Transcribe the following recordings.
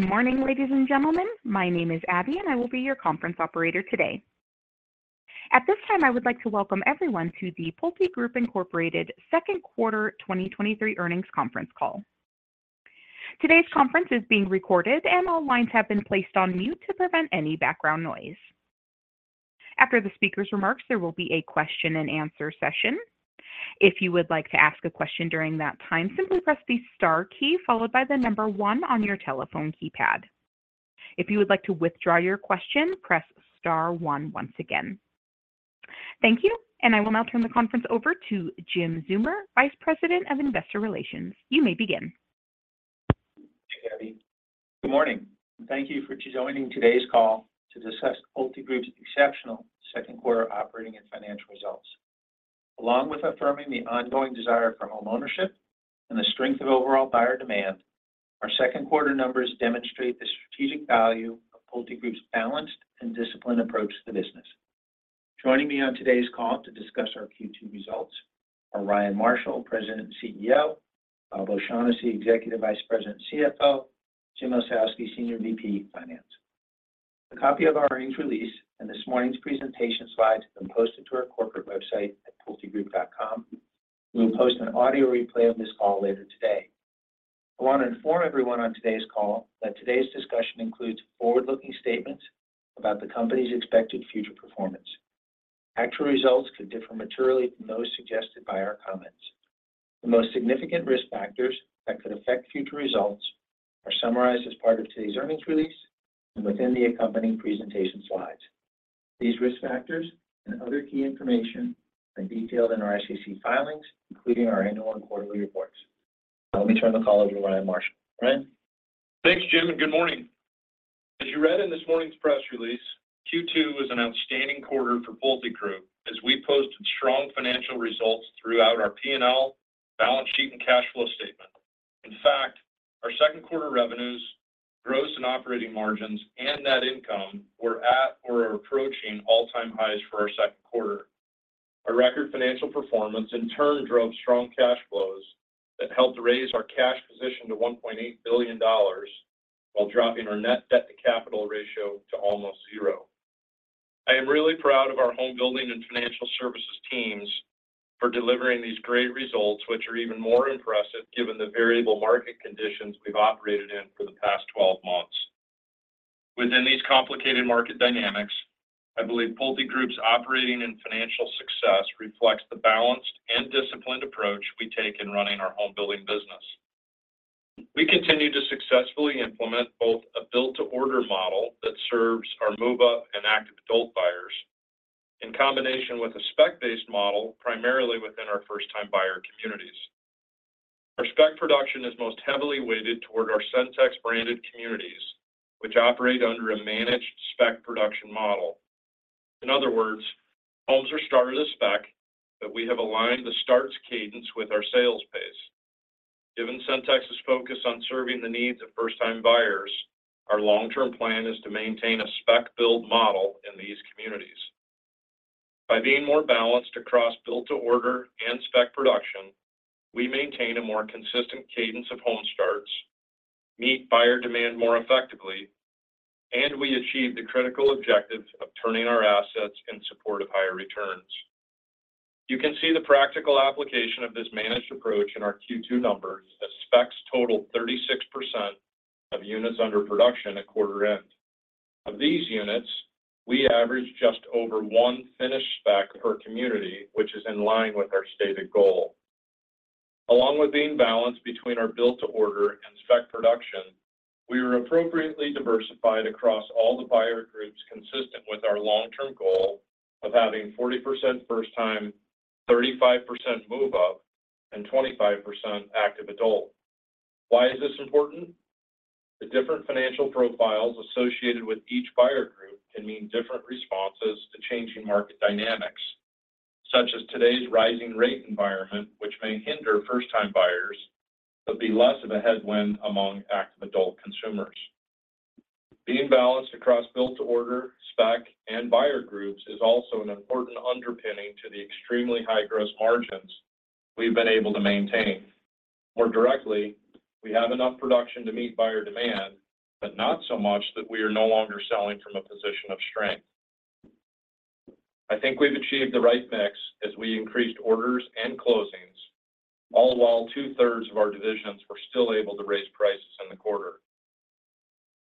Good morning, ladies and gentlemen. My name is Abby, and I will be your conference operator today. At this time, I would like to welcome everyone to the PulteGroup, Inc. Q2 2023 Earnings Conference Call. Today's conference is being recorded, and all lines have been placed on mute to prevent any background noise. After the speaker's remarks, there will be a question-and-answer session. If you would like to ask a question during that time, simply press the star key followed by the number one on your telephone keypad. If you would like to withdraw your question, press star one once again. Thank you, and I will now turn the conference over to Jim Zeumer, Vice President of Investor Relations. You may begin. Thanks, Abby. Good morning, and thank you for joining today's call to discuss PulteGroup's exceptional Q2 operating and financial results. Along with affirming the ongoing desire for homeownership and the strength of overall buyer demand, our Q2 numbers demonstrate the strategic value of PulteGroup's balanced and disciplined approach to the business. Joining me on today's call to discuss our Q2 results are Ryan Marshall, President and CEO, Bob O'Shaughnessy, Executive Vice President and CFO, Jim Ossowski, Senior VP, Finance. A copy of our earnings release and this morning's presentation slides have been posted to our corporate website at pultegroup.com. We will post an audio replay of this call later today. I want to inform everyone on today's call that today's discussion includes forward-looking statements about the company's expected future performance. Actual results could differ materially from those suggested by our comments. The most significant risk factors that could affect future results are summarized as part of today's earnings release and within the accompanying presentation slides. These risk factors and other key information are detailed in our SEC filings, including our annual and quarterly reports. Let me turn the call over to Ryan Marshall. Ryan? Thanks, Jim. Good morning. As you read in this morning's press release, Q2 was an outstanding quarter for PulteGroup as we posted strong financial results throughout our P&L, balance sheet, and cash flow statement. In fact, our Q2 revenues, gross and operating margins, and net income were at or approaching all-time highs for our Q2. Our record financial performance in turn drove strong cash flows that helped raise our cash position to $1.8 billion, while dropping our net debt-to-capital ratio to almost zero. I am really proud of our home building and financial services teams for delivering these great results, which are even more impressive given the variable market conditions we've operated in for the past 12 months. Within these complicated market dynamics, I believe PulteGroup's operating and financial success reflects the balanced and disciplined approach we take in running our home building business. We continue to successfully implement both a built-to-order model that serves our move-up and active adult buyers, in combination with a spec-based model, primarily within our first-time buyer communities. Our spec production is most heavily weighted toward our Centex-branded communities, which operate under a managed spec production model. In other words, homes are started as spec, but we have aligned the starts cadence with our sales pace. Given Centex's focus on serving the needs of first-time buyers, our long-term plan is to maintain a spec build model in these communities. By being more balanced across built-to-order and spec production, we maintain a more consistent cadence of home starts, meet buyer demand more effectively, and we achieve the critical objective of turning our assets in support of higher returns. You can see the practical application of this managed approach in our Q2 numbers, as specs totaled 36% of units under production at quarter end. Of these units, we averaged just over one finished spec per community, which is in line with our stated goal. Along with being balanced between our built-to-order and spec production, we are appropriately diversified across all the buyer groups, consistent with our long-term goal of having 40% first-time, 35% move-up, and 25% active adult. Why is this important? The different financial profiles associated with each buyer group can mean different responses to changing market dynamics, such as today's rising rate environment, which may hinder first-time buyers, but be less of a headwind among active adult consumers. Being balanced across built-to-order, spec, and buyer groups is also an important underpinning to the extremely high gross margins we've been able to maintain. More directly, we have enough production to meet buyer demand, but not so much that we are no longer selling from a position of strength. I think we've achieved the right mix as we increased orders and closings, all while two-thirds of our divisions were still able to raise prices in the quarter.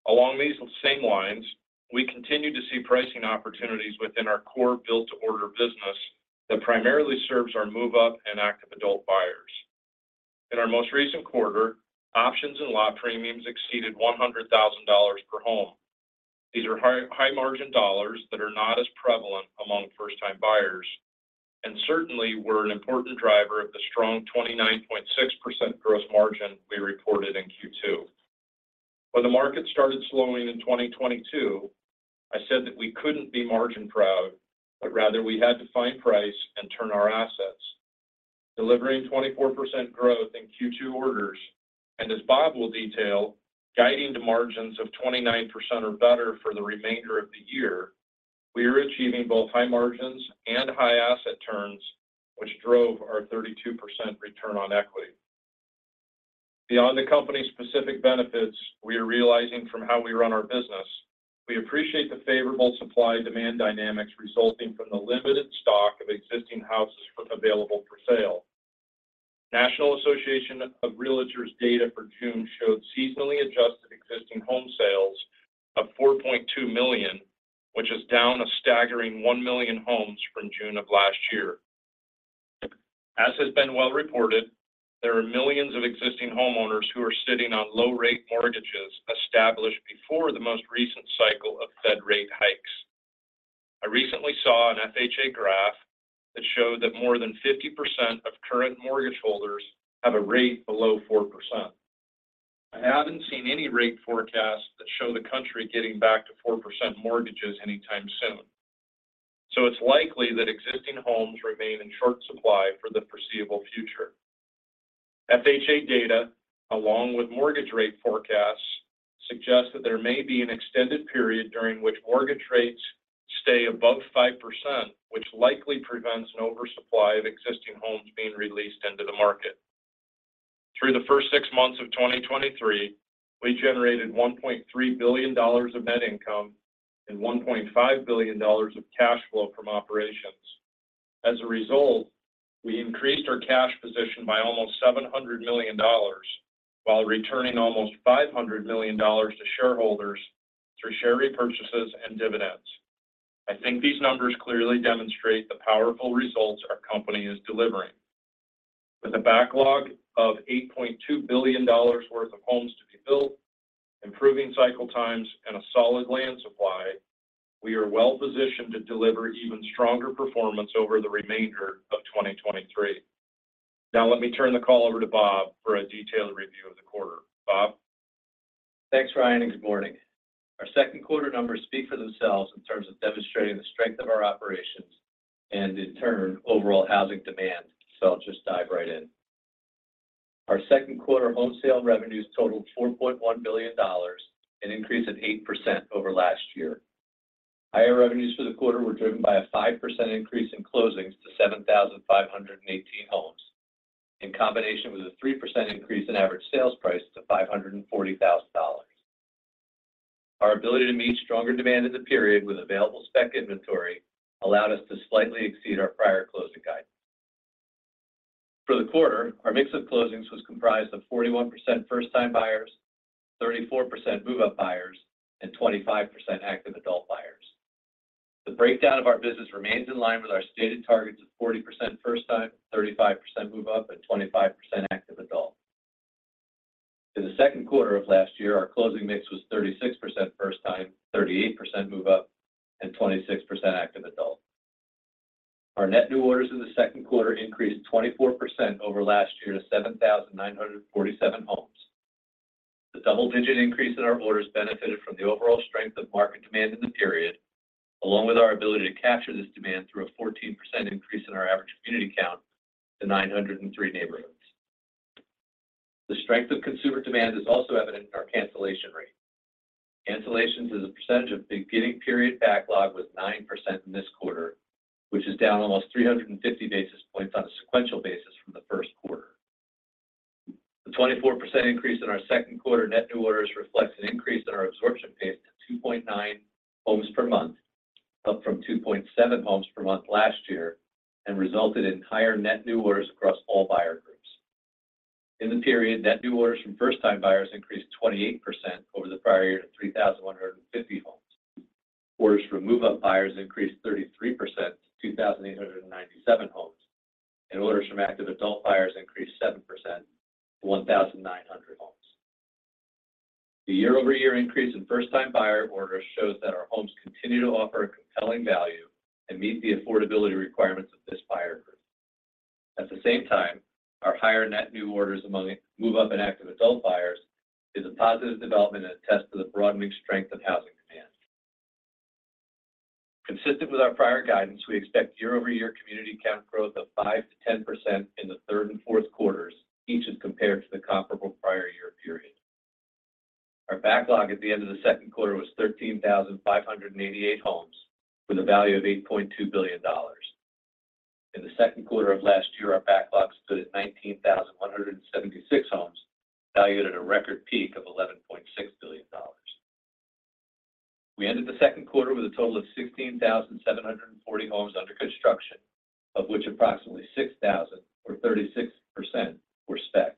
Along these same lines, we continue to see pricing opportunities within our core built-to-order business that primarily serves our move-up and active adult buyers. In our most recent quarter, options and lot premiums exceeded $100,000 per home. These are high, high-margin dollars that are not as prevalent among first-time buyers and certainly were an important driver of the strong 29.6% gross margin we reported in Q2. When the market started slowing in 2022, I said that we couldn't be margin proud, but rather we had to find price and turn our assets. Delivering 24% growth in Q2 orders, and as Bob will detail, guiding to margins of 29% or better for the remainder of the year. We are achieving both high margins and high asset turns, which drove our 32% return on equity. Beyond the company's specific benefits we are realizing from how we run our business, we appreciate the favorable supply-demand dynamics resulting from the limited stock of existing houses available for sale. National Association of Realtors data for June showed seasonally adjusted existing home sales of 4.2 million, which is down a staggering 1 million homes from June of last year. As has been well reported, there are millions of existing homeowners who are sitting on low-rate mortgages established before the most recent cycle of Fed rate hikes. I recently saw an FHA graph that showed that more than 50% of current mortgage holders have a rate below 4%. I haven't seen any rate forecasts that show the country getting back to 4% mortgages anytime soon. It's likely that existing homes remain in short supply for the foreseeable future. FHA data, along with mortgage rate forecasts, suggest that there may be an extended period during which mortgage rates stay above 5%, which likely prevents an oversupply of existing homes being released into the market. Through the first six months of 2023, we generated $1.3 billion of net income and $1.5 billion of cash flow from operations. As a result, we increased our cash position by almost $700 million, while returning almost $500 million to shareholders through share repurchases and dividends. I think these numbers clearly demonstrate the powerful results our company is delivering. With a backlog of $8.2 billion worth of homes to be built, improving cycle times and a solid land supply, we are well positioned to deliver even stronger performance over the remainder of 2023. Let me turn the call over to Bob for a detailed review of the quarter. Bob? Thanks, Ryan. Good morning. Our Q2 numbers speak for themselves in terms of demonstrating the strength of our operations and, in turn, overall housing demand. I'll just dive right in. Our Q2 home sale revenues totaled $4.1 billion, an increase of 8% over last year. Higher revenues for the quarter were driven by a 5% increase in closings to 7,518 homes, in combination with a 3% increase in average sales price to $540,000. Our ability to meet stronger demand in the period with available spec inventory allowed us to slightly exceed our prior closing guidance. For the quarter, our mix of closings was comprised of 41% first-time buyers, 34% move-up buyers, and 25% active adult buyers. The breakdown of our business remains in line with our stated targets of 40% first time, 35% move-up, and 25% active adult. In the Q2 of last year, our closing mix was 36% first time, 38% move-up, and 26% active adult. Our net new orders in the Q2 increased 24% over last year to 7,947 homes. The double-digit increase in our orders benefited from the overall strength of market demand in the period, along with our ability to capture this demand through a 14% increase in our average community count to 903 neighborhoods. The strength of consumer demand is also evident in our cancellation rate. Cancellations as a percentage of beginning period backlog was 9% in this quarter, which is down almost 350 basis points on a sequential basis from the first quarter. The 24% increase in our Q2 net new orders reflects an increase in our absorption pace to 2.9 homes per month, up from 2.7 homes per month last year, resulted in higher net new orders across all buyer groups. In the period, net new orders from first-time buyers increased 28% over the prior year to 3,150 homes. Orders from move-up buyers increased 33% to 2,897 homes, orders from active adult buyers increased 7% to 1,900 homes. The year-over-year increase in first-time buyer orders shows that our homes continue to offer a compelling value and meet the affordability requirements of this buyer group. At the same time, our higher net new orders among move-up and active adult buyers is a positive development and a test to the broadening strength of housing demand. Consistent with our prior guidance, we expect year-over-year community count growth of 5%-10% in the Q3 and Q4, each as compared to the comparable prior year period. Our backlog at the end of the Q2 was 13,588 homes, with a value of $8.2 billion. In the Q2 of last year, our backlog stood at 19,176 homes, valued at a record peak of $11.6 billion. We ended the Q2 with a total of 16,740 homes under construction, of which approximately 6,000, or 36%, were spec.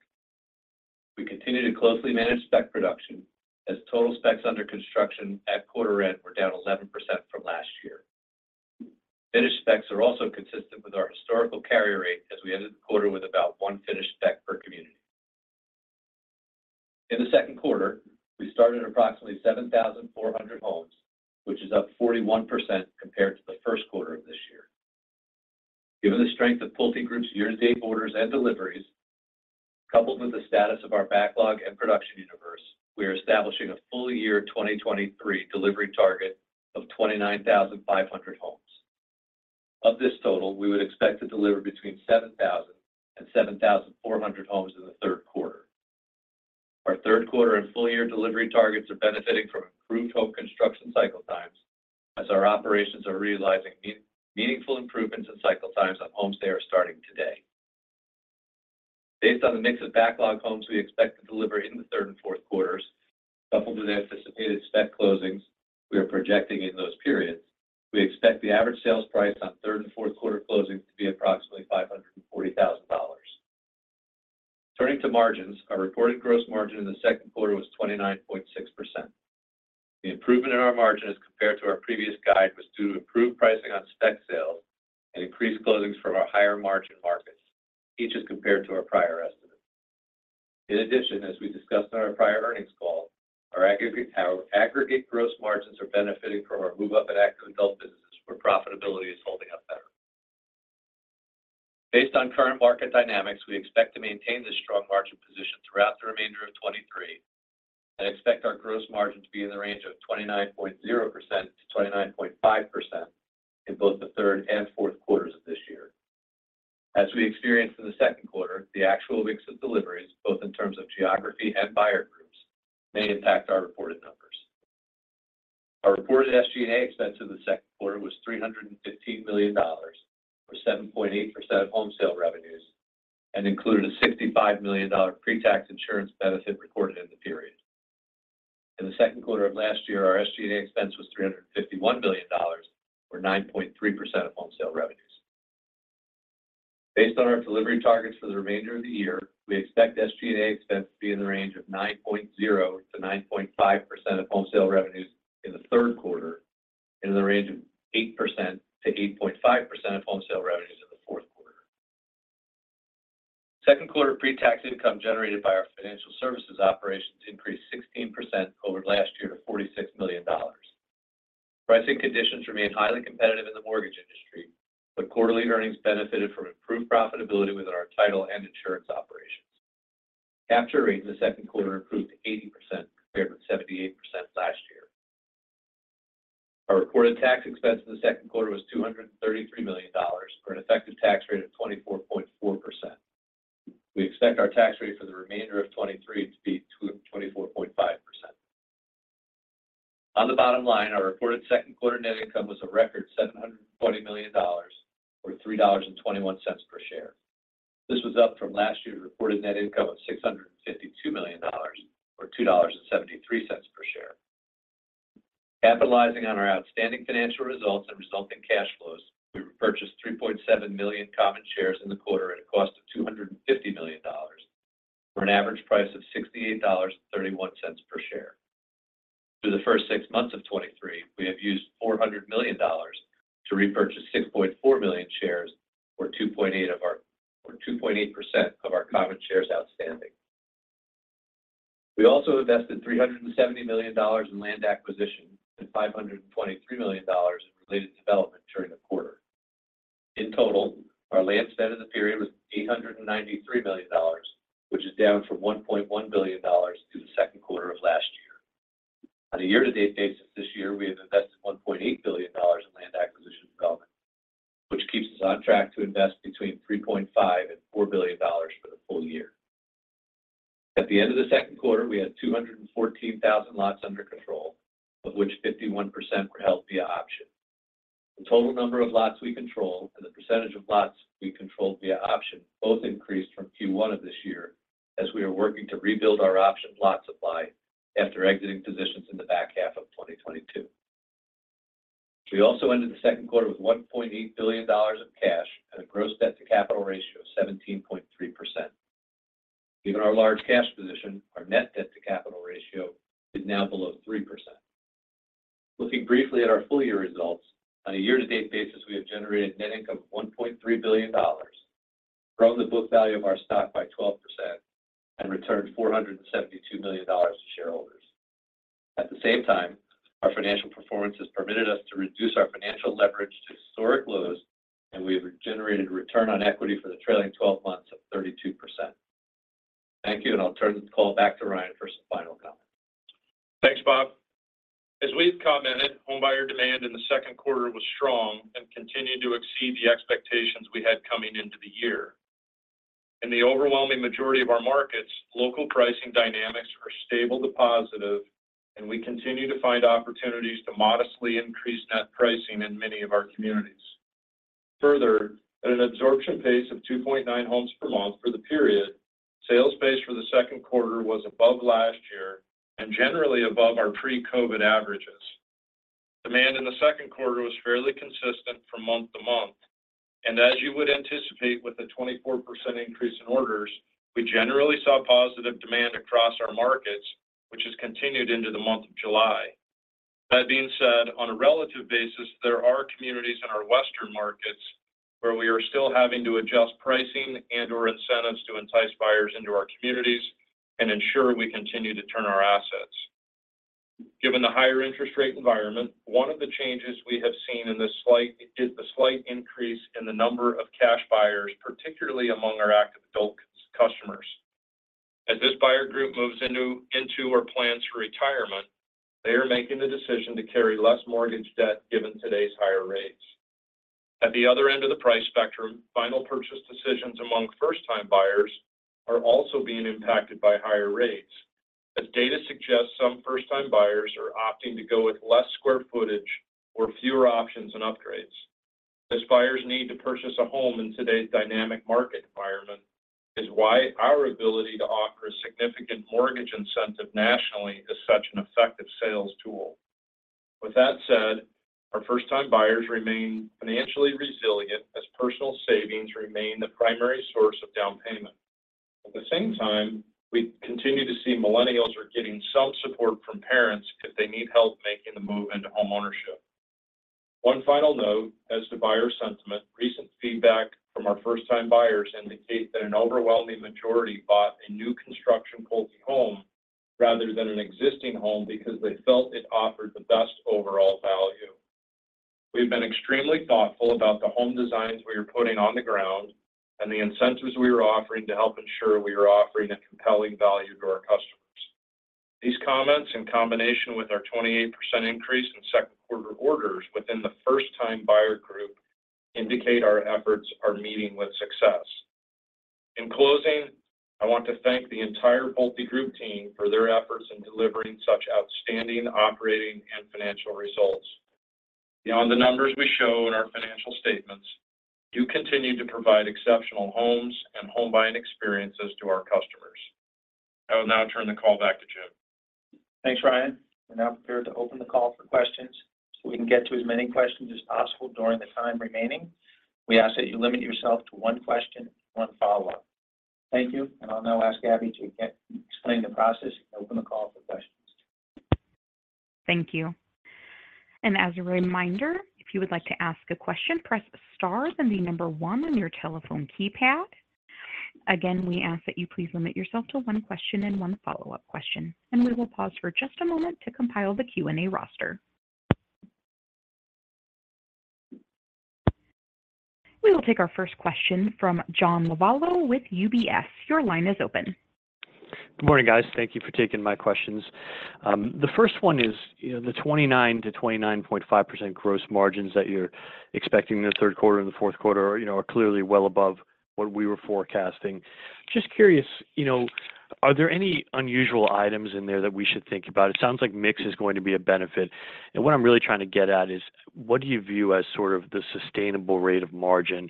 We continue to closely manage spec production, as total specs under construction at quarter end were down 11% from last year. Finished specs are also consistent with our historical carry rate as we ended the quarter with about 1 finished spec per community. In the Q2, we started approximately 7,400 homes, which is up 41% compared to the first quarter of this year. Given the strength of PulteGroup's year-to-date orders and deliveries, coupled with the status of our backlog and production universe, we are establishing a full year 2023 delivery target of 29,500 homes. Of this total, we would expect to deliver between 7,000 and 7,400 homes in the Q3. Our Q3 and full-year delivery targets are benefiting from improved home construction cycle times, as our operations are realizing meaningful improvements in cycle times on homes they are starting today. Based on the mix of backlog homes we expect to deliver in the Q3 and Q4, coupled with anticipated spec closings we are projecting in those periods, we expect the average sales price on Q3 and Q4 closings to be approximately $540,000. Turning to margins, our reported gross margin in the Q2 was 29.6%. The improvement in our margin as compared to our previous guide was due to improved pricing on spec sales and increased closings from our higher-margin markets, each as compared to our prior estimate. In addition, as we discussed on our prior earnings call, our aggregate gross margins are benefiting from our move-up and active adult businesses, where profitability is holding up better. Based on current market dynamics, we expect to maintain this strong margin position throughout the remainder of 2023, and expect our gross margin to be in the range of 29.0%-29.5% in both the Q3 and Q4 of this year. As we experienced in the Q2, the actual mix of deliveries, both in terms of geography and buyer groups, may impact our reported numbers. Our reported SG&A expense in the Q2 was $315 million, or 7.8% of home sale revenues, and included a $65 million pre-tax insurance benefit recorded in the period. In the Q2 of last year, our SG&A expense was $351 million, or 9.3% of home sale revenues. Based on our delivery targets for the remainder of the year, we expect SG&A expense to be in the range of 9.0%-9.5% of home sale revenues in the Q3, and in the range of 8%-8.5% of home sale revenues in the Q4. Q2 pre-tax income generated by our financial services operations increased 16% over last year to $46 million. Pricing conditions remained highly competitive in the mortgage industry, but quarterly earnings benefited from improved profitability within our title and insurance operations. Capture rate in the Q2 improved to 80%, compared with 78% last year. Our reported tax expense in the Q2 was $233 million, for an effective tax rate of 24.4%. We expect our tax rate for the remainder of 2023 to be 24.5%. On the bottom line, our reported Q2 net income was a record $740 million, or $3.21 per share. This was up from last year's reported net income of $652 million, or $2.73 per share. Capitalizing on our outstanding financial results and resulting cash flows, we repurchased 3.7 million common shares in the quarter at a cost of $250 million, for an average price of $68.31 per share. Through the first six months of 2023, we have used $400 million to repurchase 6.4 million shares, or 2.8% of our common shares outstanding. We also invested $370 million in land acquisition and $523 million in related development during the quarter. In total, our land spend in the period was $893 million, which is down from $1.1 billion through the Q2 of last year. On a year-to-date basis this year, we have invested $1.8 billion in land acquisition and development, which keeps us on track to invest between $3.5 billion and $4 billion for the full year. At the end of the Q2, we had 214,000 lots under control, of which 51% were held via option. The total number of lots we control and the percentage of lots we controlled via option both increased from Q1 of this year, as we are working to rebuild our option lot supply after exiting positions in the back half of 2022. We also ended the Q2 with $1.8 billion of cash and a gross debt-to-capital ratio of 17.3%. Given our large cash position, our net debt-to-capital ratio is now below 3%. Looking briefly at our full-year results, on a year-to-date basis, we have generated net income of $1.3 billion, grown the book value of our stock by 12%, and returned $472 million to shareholders. At the same time, our financial performance has permitted us to reduce our financial leverage to historic lows, and we have generated a return on equity for the trailing 12 months of 32%. Thank you. I'll turn the call back to Ryan for some final comments. Thanks, Bob. As we've commented, homebuyer demand in the Q2 was strong and continued to exceed the expectations we had coming into the year. In the overwhelming majority of our markets, local pricing dynamics are stable to positive. We continue to find opportunities to modestly increase net pricing in many of our communities. Further, at an absorption pace of 2.9 homes per month for the period, sales pace for the Q2 was above last year and generally above our pre-COVID averages. Demand in the Q2 was fairly consistent from month to month. As you would anticipate with a 24% increase in orders, we generally saw positive demand across our markets, which has continued into the month of July. That being said, on a relative basis, there are communities in our western markets where we are still having to adjust pricing and/or incentives to entice buyers into our communities and ensure we continue to turn our assets. Given the higher interest rate environment, one of the changes we have seen in this slight is the slight increase in the number of cash buyers, particularly among our active adult customers. As this buyer group moves into or plans for retirement, they are making the decision to carry less mortgage debt, given today's higher rates. At the other end of the price spectrum, final purchase decisions among first-time buyers are also being impacted by higher rates. Data suggests some first-time buyers are opting to go with less square footage or fewer options and upgrades. Buyers need to purchase a home in today's dynamic market environment is why our ability to offer a significant mortgage incentive nationally is such an effective sales tool. With that said, our first-time buyers remain financially resilient as personal savings remain the primary source of down payment. At the same time, we continue to see millennials are getting some support from parents if they need help making the move into homeownership. One final note, as to buyer sentiment, recent feedback from our first-time buyers indicate that an overwhelming majority bought a new construction Pulte home rather than an existing home because they felt it offered the best overall value. We've been extremely thoughtful about the home designs we are putting on the ground and the incentives we are offering to help ensure we are offering a compelling value to our customers. These comments, in combination with our 28% increase in Q2 orders within the first-time buyer group, indicate our efforts are meeting with success. In closing, I want to thank the entire PulteGroup team for their efforts in delivering such outstanding operating and financial results. Beyond the numbers we show in our financial statements, you continue to provide exceptional homes and home buying experiences to our customers. I will now turn the call back to Jim. Thanks, Ryan. We're now prepared to open the call for questions. We can get to as many questions as possible during the time remaining, we ask that you limit yourself to one question, one follow-up. Thank you, and I'll now ask Abby to explain the process and open the call for questions. Thank you. As a reminder, if you would like to ask a question, press star, then the number one on your telephone keypad. Again, we ask that you please limit yourself to one question and one follow-up question, and we will pause for just a moment to compile the Q&A roster. We will take our first question from John Lovallo with UBS. Your line is open. Good morning, guys. Thank you for taking my questions. The first one is, you know, the 29%-29.5% gross margins that you're expecting in the Q3 and the Q4 are, you know, are clearly well above what we were forecasting. Just curious, you know, are there any unusual items in there that we should think about? It sounds like mix is going to be a benefit. What I'm really trying to get at is, what do you view as sort of the sustainable rate of margin?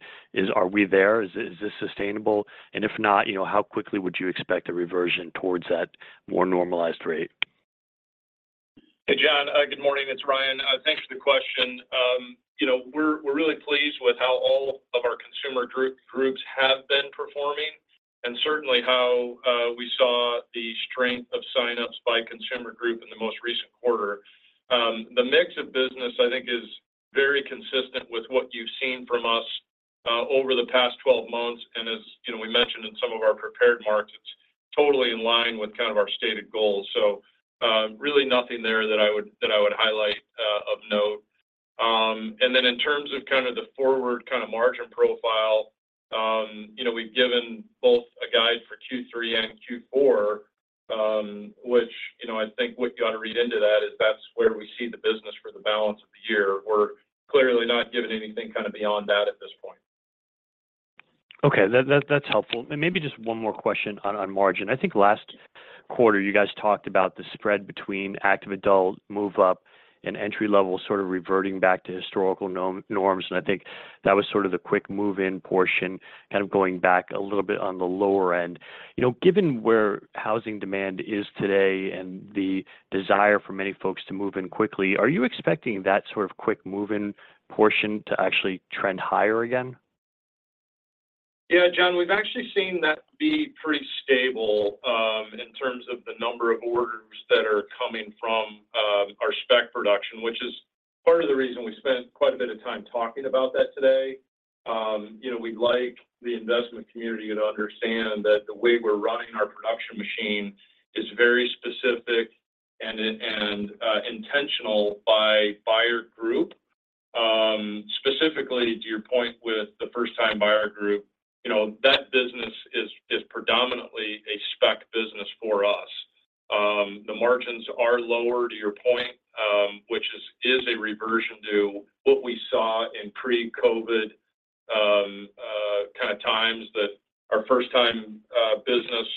Are we there? Is this sustainable? If not, you know, how quickly would you expect a reversion towards that more normalized rate? Hey, John. Good morning. It's Ryan. Thanks for the question. You know, we're really pleased with how all of our consumer groups have been performing, and certainly how, we saw the strength of sign-ups by consumer group in the most recent quarter. The mix of business, I think, is very consistent with what you've seen from us, over the past 12 months, and as, you know, we mentioned in some of our prepared remarks, it's totally in line with kind of our stated goals. Really nothing there that I would highlight, of note. In terms of kind of the forward kind of margin profile, you know, we've given both a guide for Q3 and Q4, which, you know, I think what you ought to read into that is that's where we see the business for the balance of the year. We're clearly not giving anything kind of beyond that at this point. Okay, that's helpful. Maybe just one more question on margin. I think last quarter you guys talked about the spread between active adult, move-up, and entry level sort of reverting back to historical norms, and I think that was sort of the quick move-in portion, kind of going back a little bit on the lower end. You know, given where housing demand is today and the desire for many folks to move in quickly, are you expecting that sort of quick move-in portion to actually trend higher again? Yeah, John, we've actually seen that be pretty stable, in terms of the number of orders that are coming from, our spec production, which is part of the reason we spent quite a bit of time talking about that today. You know, we'd like the investment community to understand that the way we're running our production machine is very specific and intentional by buyer group. Specifically, to your point with the first-time buyer group, you know, that business is predominantly a spec business for us. The margins are lower, to your point, which is a reversion to what we saw in pre-COVID, kind of times, that our first-time, business,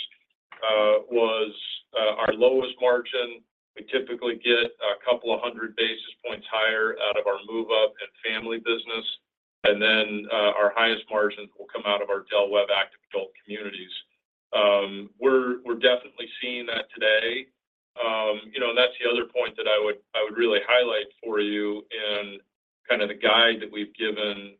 was, our lowest margin. We typically get a couple of 100 basis points higher out of our move-up and family business, and then, our highest margins will come out of our Del Webb Active Adult communities. We're definitely seeing that today. you know, and that's the other point that I would really highlight for you in kind of the guide that we've given,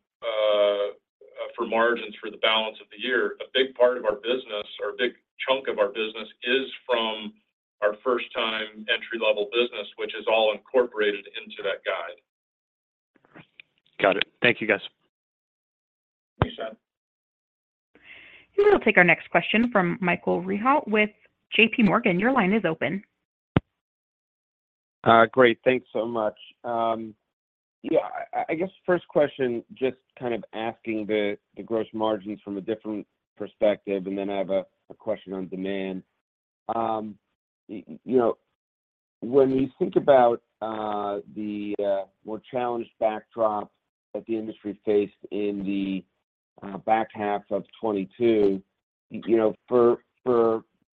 for margins for the balance of the year. A big part of our business, or a big chunk of our business, is from our first-time entry-level business, which is all incorporated into that guide. Got it. Thank you, guys. Thanks, John. We will take our next question from Michael Rehaut with JPMorgan. Your line is open. Great, thanks so much. Yeah, I guess first question, just kind of asking the gross margins from a different perspective, and then I have a question on demand. You know, when we think about the more challenged backdrop that the industry faced in the back half of 2022, you know, for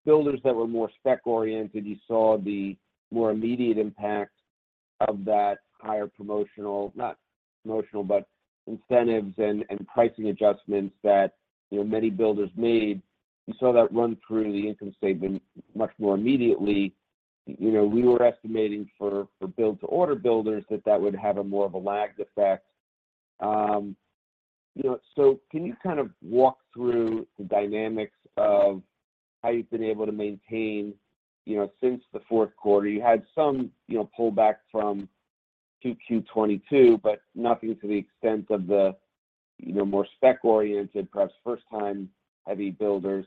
builders that were more spec-oriented, you saw the more immediate impact of that higher promotional, not promotional, but incentives and pricing adjustments that, you know, many builders made. You saw that run through the income statement much more immediately. You know, we were estimating for built-to-order builders, that would have a more of a lagged effect. You know, can you kind of walk through the dynamics of how you've been able to maintain, you know, since the Q4, you had some, you know, pullback from Q2 2022, but nothing to the extent of the, you know, more spec-oriented, perhaps first-time heavy builders.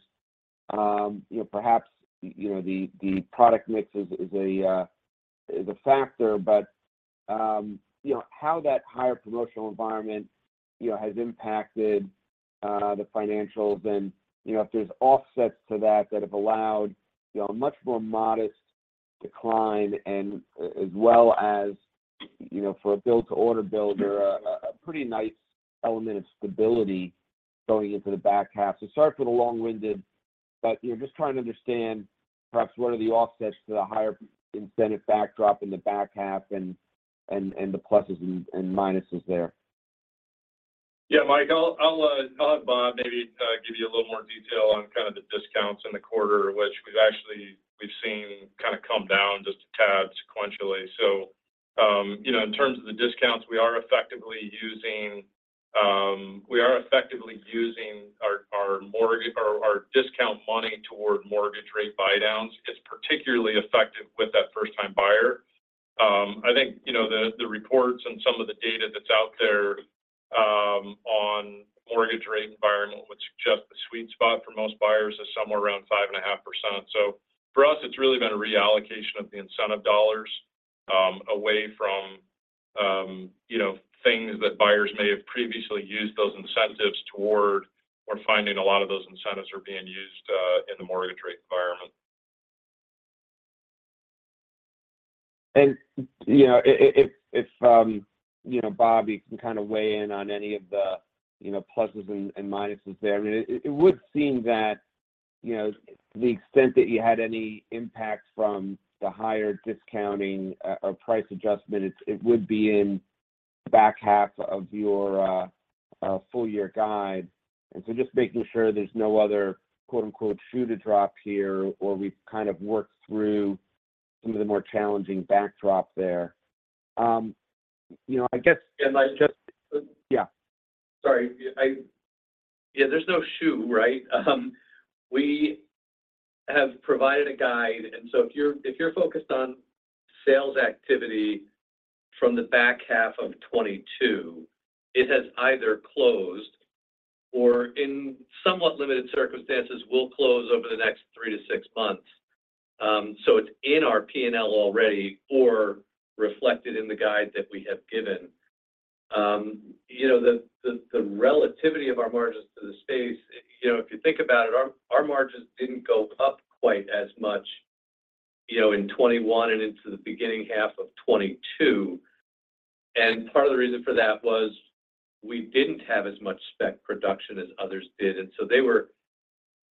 You know, perhaps, you know, the product mix is a factor. You know, how that higher promotional environment, you know, has impacted the financials and, you know, if there's offsets to that have allowed, you know, a much more modest decline. As well as, you know, for a built-to-order builder, a pretty nice element of stability going into the back half. Sorry for the long-winded, but, you know, just trying to understand perhaps what are the offsets to the higher incentive backdrop in the back half and the pluses and minuses there. Yeah, Mike, I'll have Bob maybe give you a little more detail on kind of the discounts in the quarter, which we've actually, we've seen kind of come down just a tad sequentially. You know, in terms of the discounts we are effectively using, we are effectively using our mortgage or our discount money toward mortgage rate buydowns. It's particularly effective with that first-time buyer. I think, you know, the reports and some of the data that's out there, on mortgage rate environment would suggest the sweet spot for most buyers is somewhere around 5.5%. For us, it's really been a reallocation of the incentive dollars, away from, you know, things that buyers may have previously used those incentives toward. We're finding a lot of those incentives are being used in the mortgage rate environment. You know, if, you know, Bobby can kind of weigh in on any of the, you know, pluses and minuses there. I mean, it would seem that, you know, to the extent that you had any impact from the higher discounting, or price adjustment, it would be in the back half of your full-year guide. Just making sure there's no other, quote-unquote, shoe to drop here, or we've kind of worked through some of the more challenging backdrop there. You know, I guess. And I just. Yeah. Sorry, Yeah, there's no shoe, right? We have provided a guide, If you're, if you're focused on sales activity from the back half of 2022, it has either closed or in somewhat limited circumstances, will close over the next 3-6 months. It's in our P&L already or reflected in the guide that we have given. You know, the relativity of our margins to the space, you know, if you think about it, our margins didn't go up quite as much, you know, in 2021 and into the beginning half of 2022. Part of the reason for that was we didn't have as much spec production as others did, They were,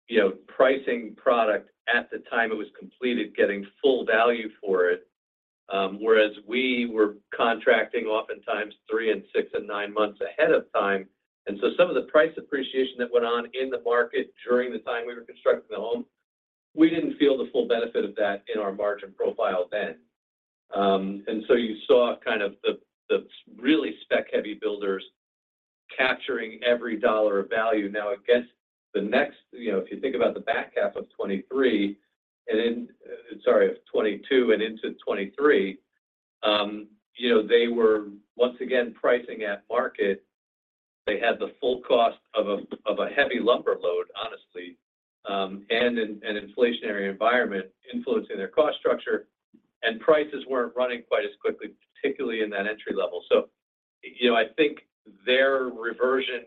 you know, pricing product at the time it was completed, getting full value for it. Whereas we were contracting oftentimes three, six, and nine months ahead of time. Some of the price appreciation that went on in the market during the time we were constructing the home, we didn't feel the full benefit of that in our margin profile then. You saw kind of the really spec-heavy builders capturing every dollar of value. Now, I guess the next, you know, if you think about the back half of 2023 and in, sorry, of 2022 and into 2023, you know, they were once again pricing at market. They had the full cost of a of a heavy lumber load, honestly, and an inflationary environment influencing their cost structure, and prices weren't running quite as quickly, particularly in that entry level. You know, I think their reversion,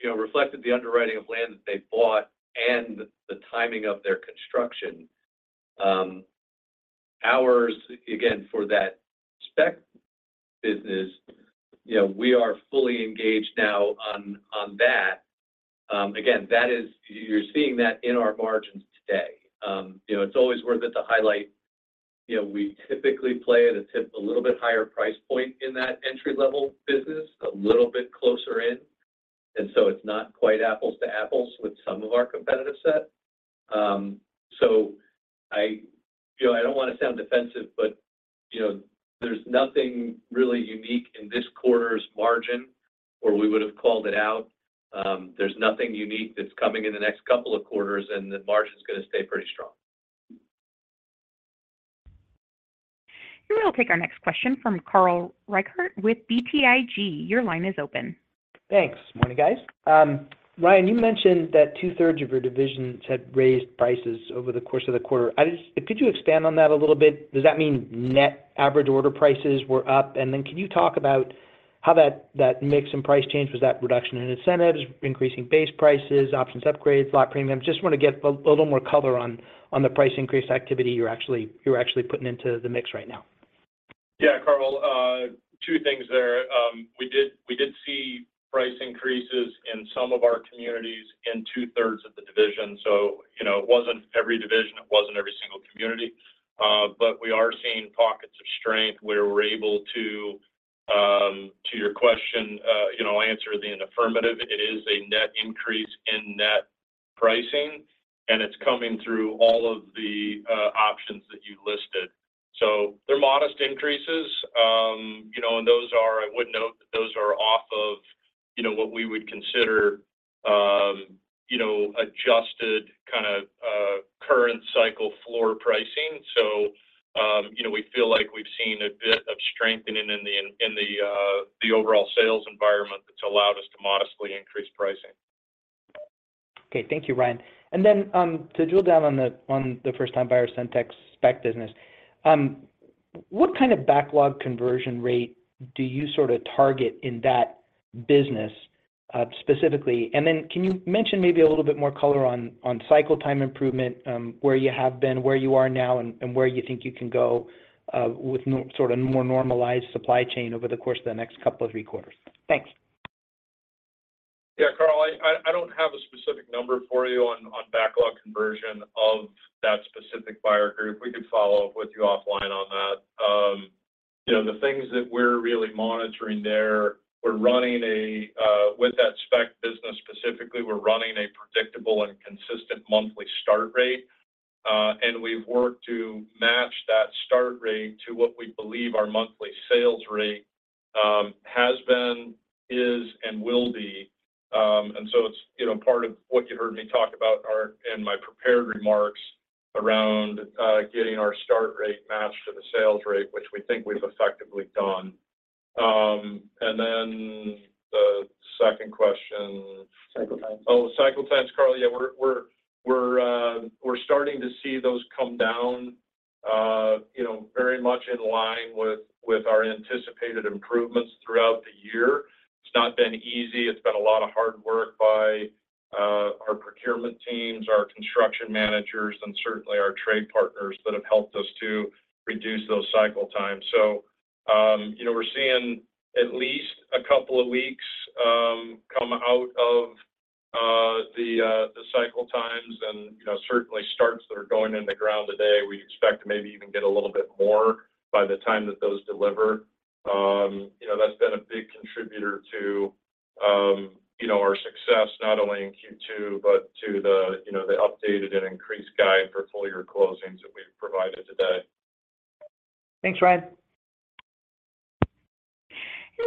you know, reflected the underwriting of land that they bought and the timing of their construction. Ours, again, for that spec business, you know, we are fully engaged now on that. Again, that is, you're seeing that in our margins today. You know, it's always worth it to highlight, you know, we typically play at a tip, a little bit higher price point in that entry-level business, a little bit closer in, it's not quite apples to apples with some of our competitive set. You know, I don't want to sound defensive, but, you know, there's nothing really unique in this quarter's margin, or we would have called it out. There's nothing unique that's coming in the next couple of quarters, and the margin is going to stay pretty strong. We'll take our next question from Carl Reichardt with BTIG. Your line is open. Thanks. Morning, guys. Ryan, you mentioned that two-thirds of your divisions had raised prices over the course of the quarter. Could you expand on that a little bit? Does that mean net average order prices were up? Can you talk about how that mix and price change? Was that reduction in incentives, increasing base prices, options upgrades, lot premiums? Just want to get a little more color on the price increase activity you're actually putting into the mix right now. Yeah, Carl, two things there. We did see price increases in some of our communities in two-thirds of the division. It wasn't every division, it wasn't every single community. But we are seeing pockets of strength where we're able to your question, you know, answer it in affirmative. It is a net increase in net pricing, and it's coming through all of the options that you listed. They're modest increases, you know, and I would note that those are off of, you know, what we would consider, you know, adjusted, kind of, current cycle floor pricing. You know, we feel like we've seen a bit of strengthening in the overall sales environment that's allowed us to modestly increase pricing. Okay. Thank you, Ryan. To drill down on the first-time buyer Centex spec business, what kind of backlog conversion rate do you sort of target in that business specifically? Can you mention maybe a little bit more color on cycle time improvement, where you have been, where you are now, and where you think you can go with more sort of more normalized supply chain over the course of the next couple of three quarters? Thanks. Yeah, Carl, I don't have a specific number for you on backlog conversion of that specific buyer group. We could follow up with you offline on that. You know, the things that we're really monitoring there, we're running a with that spec business specifically, we're running a predictable and consistent monthly start rate, and we've worked to match that start rate to what we believe our monthly sales rate has been, is, and will be. It's, you know, part of what you heard me talk about our, in my prepared remarks around getting our start rate matched to the sales rate, which we think we've effectively done. Then the second question. Cycle times. Oh, cycle times, Carl. Yeah, we're starting to see those come down, you know, very much in line with our anticipated improvements throughout the year. It's not been easy. It's been a lot of hard work by our procurement teams, our construction managers, and certainly our trade partners that have helped us to reduce those cycle times. We're seeing at least a couple of weeks come out of the cycle times and, you know, certainly starts that are going in the ground today. We expect to maybe even get a little bit more by the time that those deliver. That's been a big contributor to, you know, our success not only in Q2, but to the, you know, the updated and increased guide for full year closings that we've provided today. Thanks, Ryan.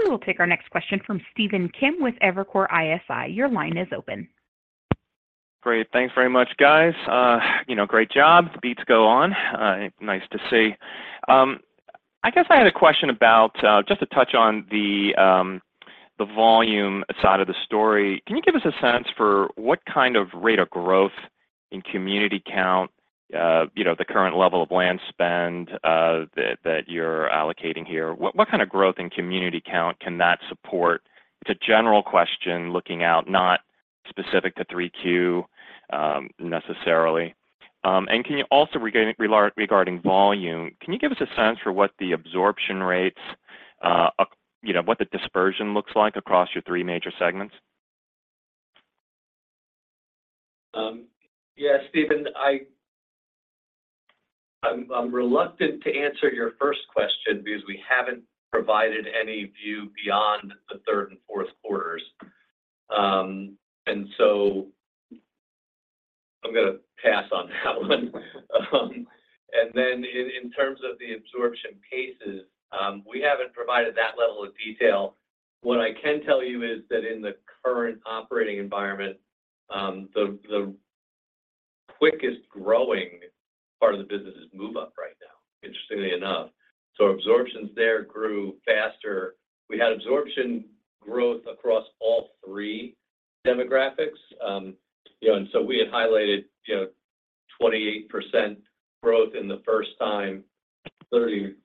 We'll take our next question from Stephen Kim with Evercore ISI. Your line is open. Great. Thanks very much, guys. You know, great job. The beats go on. Nice to see. I guess I had a question about just to touch on the volume side of the story. Can you give us a sense for what kind of rate of growth in community count, you know, the current level of land spend, that you're allocating here? What kind of growth in community count can that support? It's a general question, looking out, not specific to Q3, necessarily. Can you also regarding volume, can you give us a sense for what the absorption rates, you know, what the dispersion looks like across your three major segments? Yeah, Stephen, I'm reluctant to answer your first question because we haven't provided any view beyond the Q3 and Q4. I'm going to pass on that one. Then in terms of the absorption paces, we haven't provided that level of detail. What I can tell you is that in the current operating environment, the quickest growing part of the business is move-up right now, interestingly enough. Absorptions there grew faster. We had absorption growth across all three demographics. You know, we had highlighted, you know, 28% growth in the first time, 33%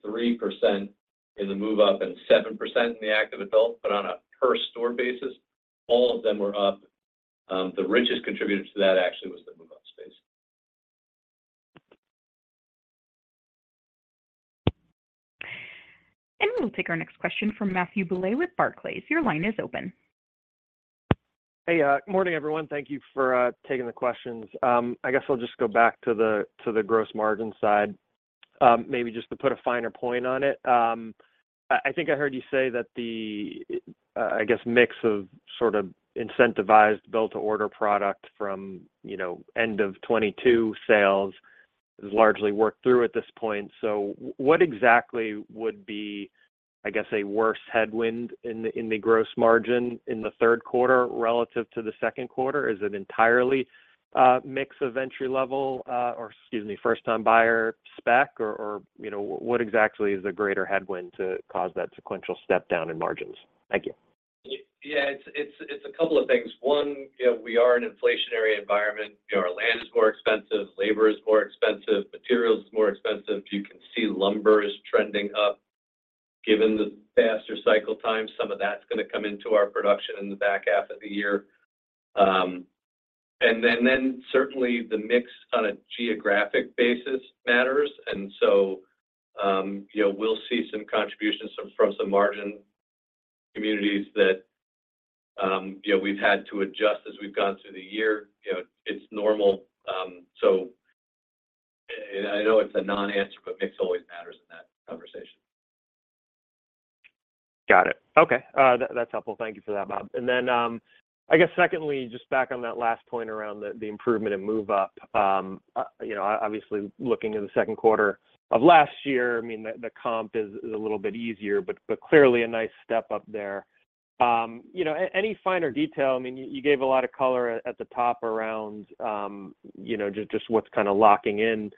in the move-up, and 7% in the active adult, but on a per store basis, all of them were up. The richest contributor to that actually was the move-up space. We'll take our next question from Matthew Bouley with Barclays. Your line is open. Hey, good morning, everyone. Thank you for taking the questions. I guess I'll just go back to the gross margin side. Maybe just to put a finer point on it. I think I heard you say that the, I guess, mix of sort of incentivized built-to-order product from, you know, end of 2022 sales is largely worked through at this point. What exactly would be, I guess, a worse headwind in the, in the gross margin in the Q3 relative to the Q2? Is it entirely a mix of entry-level, or excuse me, first-time buyer spec? Or, you know, what exactly is the greater headwind to cause that sequential step down in margins? Thank you. Yeah, it's a couple of things. One, you know, we are an inflationary environment. You know, our land is more expensive, labor is more expensive, materials is more expensive. You can see lumber is trending up. Given the faster cycle time, some of that's going to come into our production in the back half of the year. Then, certainly the mix on a geographic basis matters, and so, you know, we'll see some contributions from some margin communities that, you know, we've had to adjust as we've gone through the year. You know, it's normal. I know it's a non-answer, but mix always matters in that conversation. Got it. Okay, that's helpful. Thank you for that, Bob. I guess secondly, just back on that last point around the improvement in move up. You know, obviously, looking in the Q2 of last year, I mean, the comp is a little bit easier, but clearly a nice step up there. You know, any finer detail, I mean, you gave a lot of color at the top around, you know, just what's kinda locking in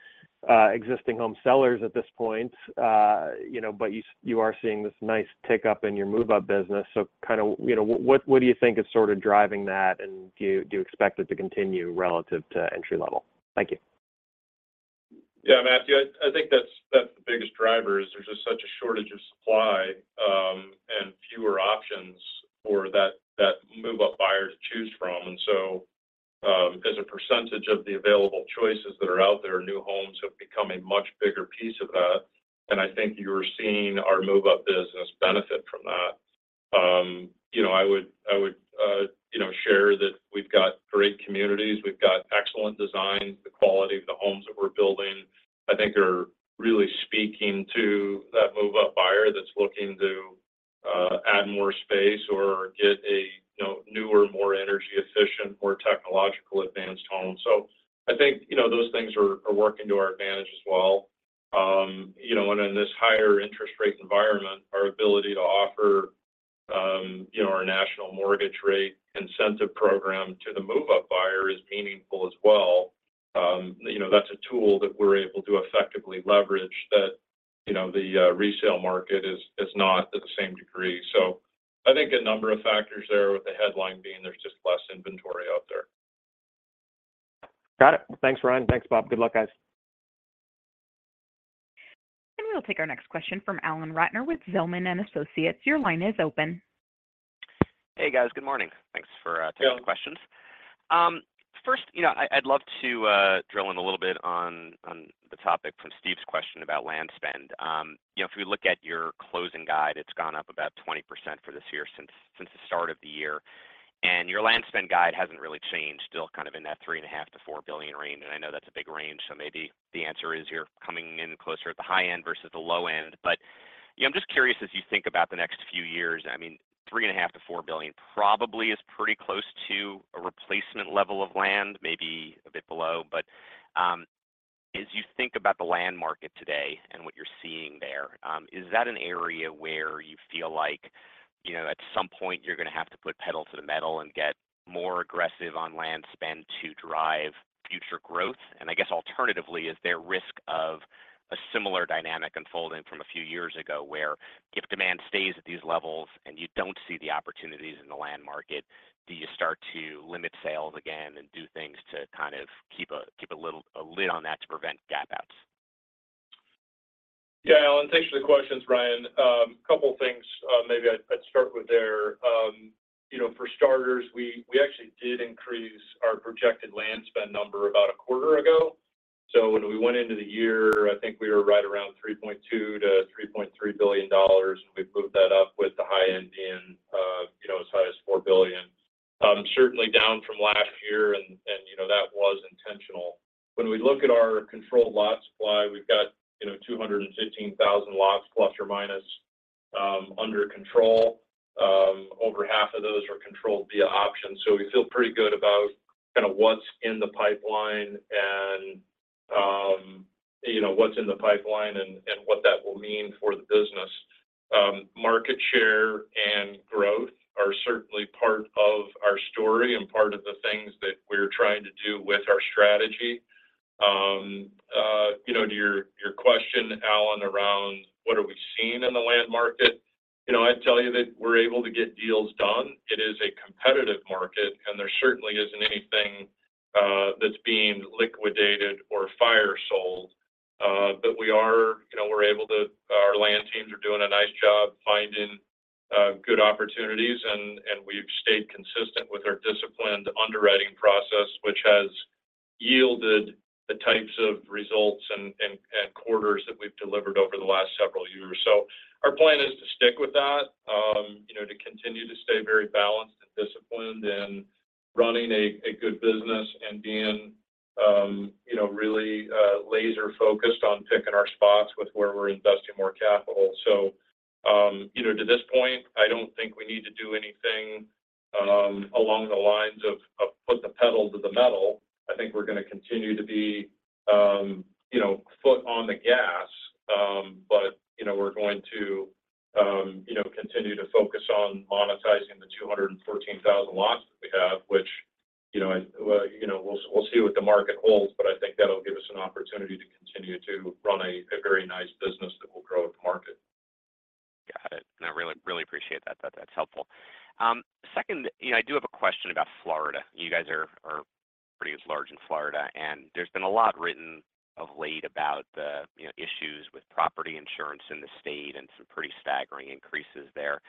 existing home sellers at this point. You know, but you are seeing this nice pick up in your move up business, kind of, you know. What do you think is sort of driving that, and do you expect it to continue relative to entry level? Thank you. Yeah, Matthew, I think that's the biggest driver, is there's just such a shortage of supply, and fewer options for that move-up buyer to choose from. As a percentage of the available choices that are out there, new homes have become a much bigger piece of that, and I think you're seeing our move-up business benefit from that. You know, I would, you know, share that we've got great communities. We've got excellent design. The quality of the homes that we're building, I think are really speaking to that move-up buyer that's looking to add more space or get a, you know, newer, more energy efficient or technological advanced home. I think, you know, those things are working to our advantage as well. You know, and in this higher interest rate environment, our ability to offer, you know, our national mortgage rate incentive program to the move-up buyer is meaningful as well. You know, that's a tool that we're able to effectively leverage that, you know, the resale market is not to the same degree. I think a number of factors there, with the headline being, there's just less inventory out there. Got it. Thanks, Ryan. Thanks, Bob. Good luck, guys. We'll take our next question from Alan Ratner with Zelman & Associates. Your line is open. Hey, guys. Good morning. Thanks for. Yeah taking the questions. First, you know, I'd love to drill in a little bit on the topic from Stephen's question about land spend. You know, if we look at your closing guide, it's gone up about 20% for this year, since the start of the year. Your land spend guide hasn't really changed, still kind of in that $3.5 billion-$4 billion range, and I know that's a big range, so maybe the answer is you're coming in closer at the high end versus the low end. You know, I'm just curious, as you think about the next few years, I mean, $3.5 billion-$4 billion probably is pretty close to a replacement level of land, maybe a bit below. As you think about the land market today and what you're seeing there, is that an area where you feel like, you know, at some point you're going to have to put pedal to the metal and get more aggressive on land spend to drive future growth? I guess alternatively, is there risk of a similar dynamic unfolding from a few years ago, where if demand stays at these levels and you don't see the opportunities in the land market, do you start to limit sales again and do things to kind of keep a little lid on that to prevent gap outs? Yeah, Alan, thanks for the questions, Ryan. A couple of things, maybe I'd start with there. You know, for starters, we actually did increase our projected land spend number about a quarter ago. When we went into the year, I think we were right around $3.2 billion-$3.3 billion, and we've moved that up with the high end in, you know, as high as $4 billion. Certainly down from last year, and, you know, that was intentional. When we look at our controlled lot supply, we've got, you know, 215,000 lots, plus or minus, under control. Over half of those are controlled via options. We feel pretty good about kinda what's in the pipeline and, you know, what's in the pipeline and what that will mean for the business. Market share and growth are certainly part of our story and part of the things that we're trying to do with our strategy. You know, to your question, Alan, around what are we seeing in the land market? You know, I'd tell you that we're able to get deals done. It is a competitive market, and there certainly isn't anything that's being liquidated or fire sold. We are, you know, we're able to our land teams are doing a nice job finding, good opportunities, and we've stayed consistent with our disciplined underwriting process, which has yielded the types of results and quarters that we've delivered over the last several years. Our plan is to stick with that, you know, to continue to stay very balanced and disciplined and running a good business and being, you know, really laser-focused on picking our spots with where we're investing more capital. You know, to this point, I don't think we need to do anything along the lines of put the pedal to the metal. I think we're going to continue to be, you know, foot on the gas, but, you know, we're going to, you know, continue to focus on monetizing the 214,000 lots that we have, you know, we'll see what the market holds, but I think that'll give us an opportunity to continue to run a very nice business that will grow with the market. Got it. I really appreciate that. That's helpful. Second, you know, I do have a question about Florida. You guys are pretty as large in Florida, and there's been a lot written of late about the, you know, issues with property insurance in the state and some pretty staggering increases there.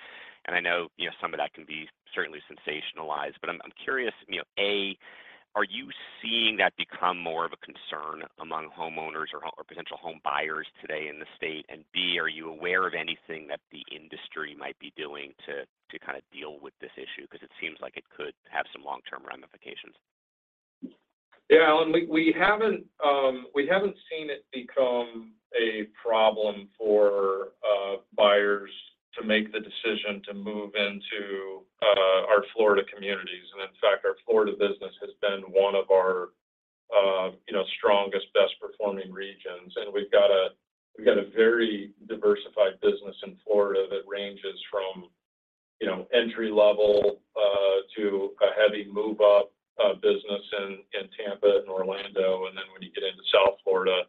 I know, you know, some of that can be certainly sensationalized, but I'm curious, you know, A, are you seeing that become more of a concern among homeowners or potential home buyers today in the state? B, are you aware of anything that the industry might be doing to kind of deal with this issue? Because it seems like it could have some long-term ramifications. Yeah, Alan, we haven't seen it become a problem for buyers to make the decision to move into our Florida communities. In fact, our Florida business has been one of our, you know, strongest, best performing regions. We've got a very diversified business in Florida that ranges from, you know, entry level to a heavy move up business in Tampa and Orlando. When you get into South Florida,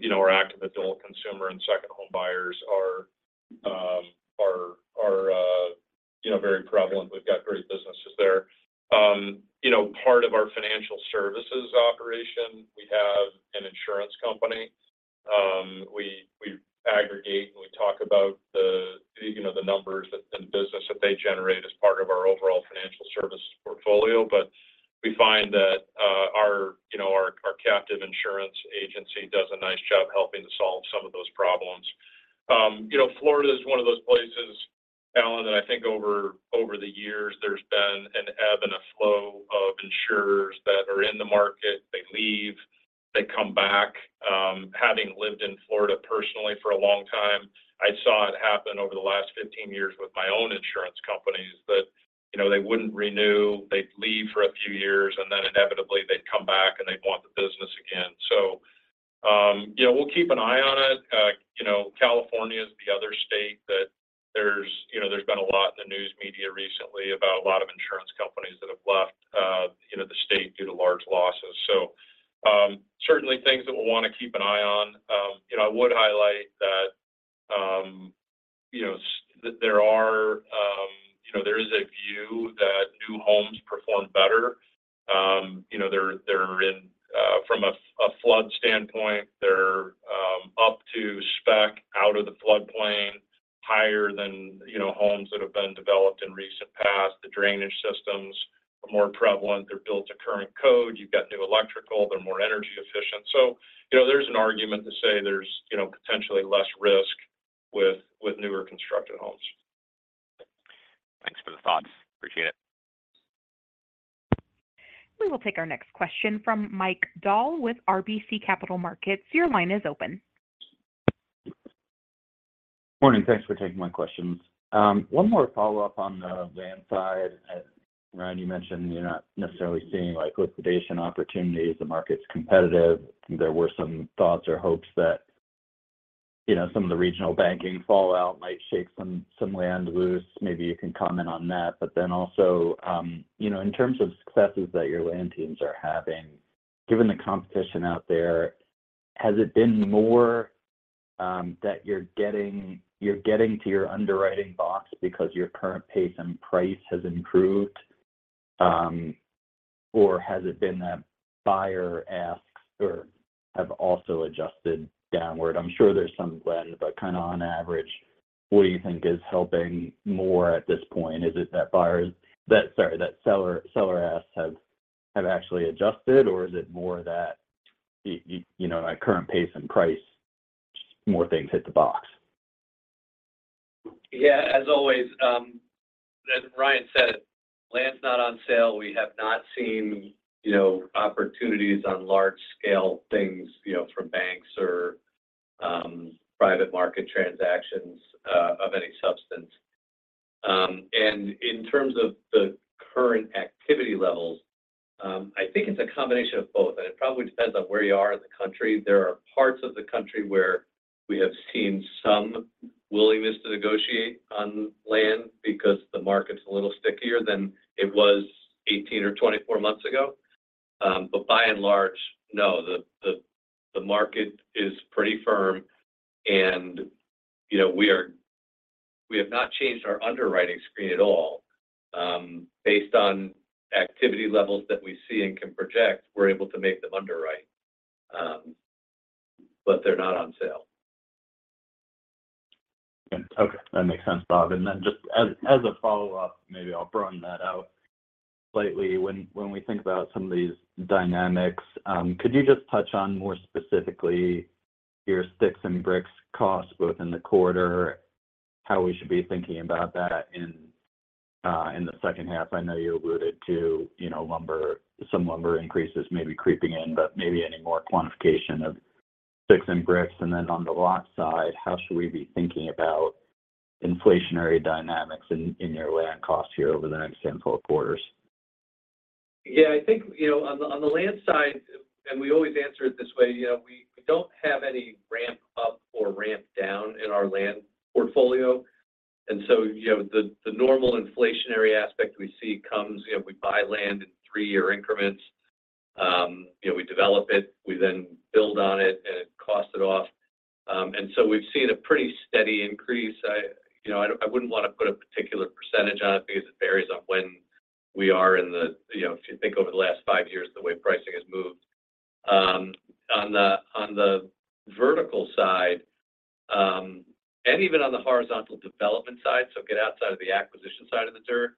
you know, our active adult consumer and second home buyers are, you know, very prevalent. We've got great businesses there. You know, part of our financial services operation, we have an insurance company. We aggregate, we talk about the numbers, and business that they generate as part of our overall financial services portfolio. We find that, our, you know, our captive insurance agency does a nice job helping to solve some of those problems. You know, Florida is one of those places, Alan, that I think over the years, there's been an ebb and a flow of insurers that are in the market. They leave, they come back. Having lived in Florida personally for a long time, I saw it happen over the last 15 years with my own insurance companies that, you know, they wouldn't renew. They'd leave for a few years, and then inevitably, they'd come back, and they'd want the business again. You know, we'll keep an eye on it. You know, California is the other state that you know, there's been a lot in the news media recently about a lot of insurance companies that have left, you know, the state due to large losses. Certainly things that we'll want to keep an eye on. You know, I would highlight that, you know, there are, you know, there is a view that new homes perform better. You know, they're in, from a flood standpoint, they're up to spec, out of the floodplain, higher than, you know, homes that have been developed in recent past. The drainage systems are more prevalent. They're built to current code. You've got new electrical. They're more energy efficient. You know, there's an argument to say there's, you know, potentially less risk with newer constructed homes. Thanks for the thoughts. Appreciate it. We will take our next question from Mike Dahl with RBC Capital Markets. Your line is open. Morning. Thanks for taking my questions. One more follow-up on the land side. As, Ryan, you mentioned, you're not necessarily seeing, like, liquidation opportunities. The market's competitive. There were some thoughts or hopes that, you know, some of the regional banking fallout might shake some land loose. Maybe you can comment on that. Also, you know, in terms of successes that your land teams are having, given the competition out there, has it been more that you're getting to your underwriting box because your current pace and price has improved? Or has it been that buyer asks or have also adjusted downward? I'm sure there's some blend, but kind of on average, what do you think is helping more at this point? Is it that buyers that. Sorry, that seller asks have actually adjusted, or is it more that you know, like current pace and price, more things hit the box? Yeah, as always, as Ryan said, land's not on sale. We have not seen, you know, opportunities on large scale things, you know, from banks or private market transactions of any substance. In terms of the current activity levels, I think it's a combination of both, and it probably depends on where you are in the country. There are parts of the country where we have seen some willingness to negotiate on land because the market's a little stickier than it was 18 or 24 months ago. By and large, no, the market is pretty firm, and, you know, we have not changed our underwriting screen at all. Based on activity levels that we see and can project, we're able to make them underwrite, but they're not on sale. Okay, that makes sense, Bob. Just as a follow-up, maybe I'll broaden that out slightly. When we think about some of these dynamics, could you just touch on, more specifically, your sticks and bricks costs within the quarter, how we should be thinking about that in the second half? I know you alluded to, you know, lumber, some lumber increases maybe creeping in, but maybe any more quantification of sticks and bricks. On the lot side, how should we be thinking about inflationary dynamics in your land costs here over the next, say, four quarters? Yeah, I think, you know, on the, on the land side, and we always answer it this way, you know, we don't have any ramp costs-.... or ramp down in our land portfolio. You know, the normal inflationary aspect we see comes, you know, we buy land in 3-year increments. You know, we develop it, we then build on it, and it costs it off. We've seen a pretty steady increase. I, you know, I wouldn't want to put a particular percentage on it because it varies on when we are in the. You know, if you think over the last 5 years, the way pricing has moved. On the vertical side, and even on the horizontal development side, so get outside of the acquisition side of the dirt.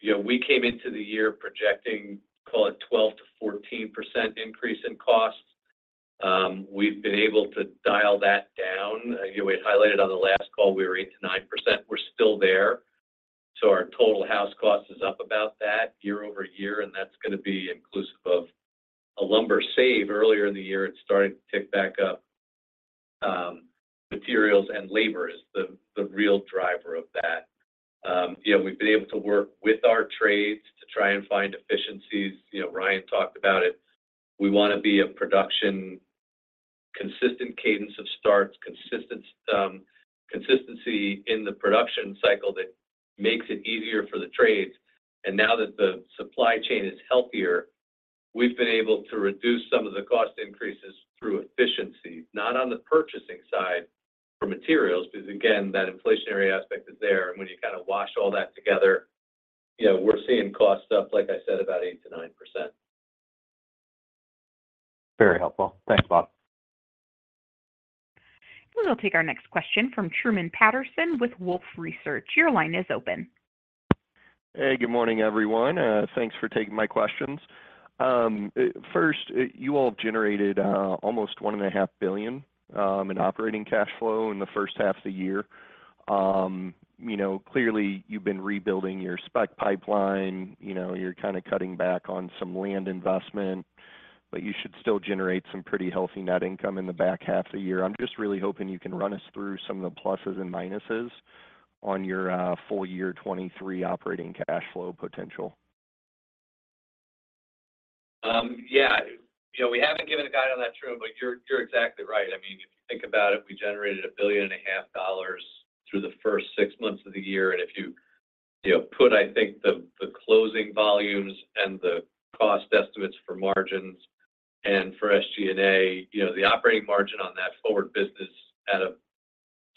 You know, we came into the year projecting, call it, 12%-14% increase in costs. We've been able to dial that down. You know, we highlighted on the last call, we were 8%-9%. We're still there. Our total house cost is up about that year-over-year, and that's going to be inclusive of a lumber save earlier in the year. It's started to tick back up, materials and labor is the real driver of that. You know, we've been able to work with our trades to try and find efficiencies. You know, Ryan talked about it. We want to be a production, consistent cadence of starts, consistency in the production cycle that makes it easier for the trades. Now that the supply chain is healthier, we've been able to reduce some of the cost increases through efficiency. Not on the purchasing side for materials, because, again, that inflationary aspect is there, when you kind of wash all that together, you know, we're seeing costs up, like I said, about 8% to 9%. Very helpful. Thanks, Bob. We will take our next question from Truman Patterson with Wolfe Research. Your line is open. Hey, good morning, everyone. Thanks for taking my questions. First, you all have generated almost $1.5 billion in operating cash flow in the first half of the year. You know, clearly, you've been rebuilding your spec pipeline. You know, you're kind of cutting back on some land investment, but you should still generate some pretty healthy net income in the back half of the year. I'm just really hoping you can run us through some of the pluses and minuses on your full year 2023 operating cash flow potential. Yeah. You know, we haven't given a guide on that, Truman, but you're exactly right. I mean, if you think about it, we generated $1.5 billion through the first six months of the year. If you know, put, I think, the closing volumes and the cost estimates for margins and for SG&A, you know, the operating margin on that forward business at a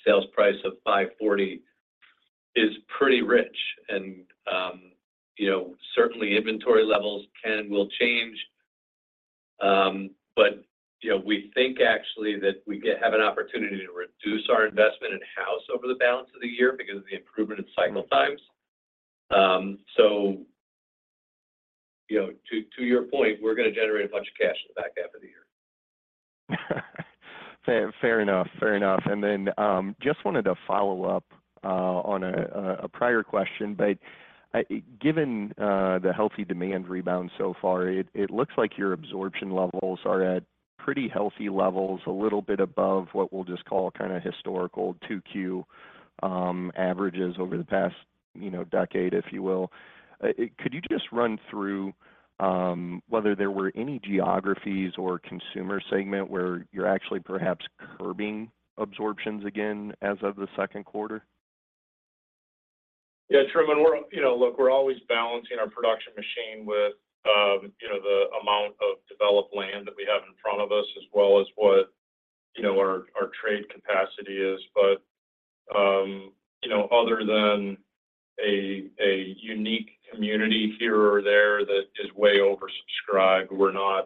sales price of $540 is pretty rich. You know, certainly inventory levels can and will change. You know, we think actually that we have an opportunity to reduce our investment in house over the balance of the year because of the improvement in cycle times. You know, to your point, we're going to generate a bunch of cash in the back half of the year. Fair enough. Fair enough. Just wanted to follow up on a prior question. Given the healthy demand rebound so far, it looks like your absorption levels are at pretty healthy levels, a little bit above what we'll just call kind of historical Q2 averages over the past, you know, decade, if you will. Could you just run through whether there were any geographies or consumer segment where you're actually perhaps curbing absorptions again as of the Q2? Yeah, Truman, we're, you know. Look, we're always balancing our production machine with, you know, the amount of developed land that we have in front of us, as well as what, you know, our trade capacity is. You know, other than a unique community here or there that is way oversubscribed, we're not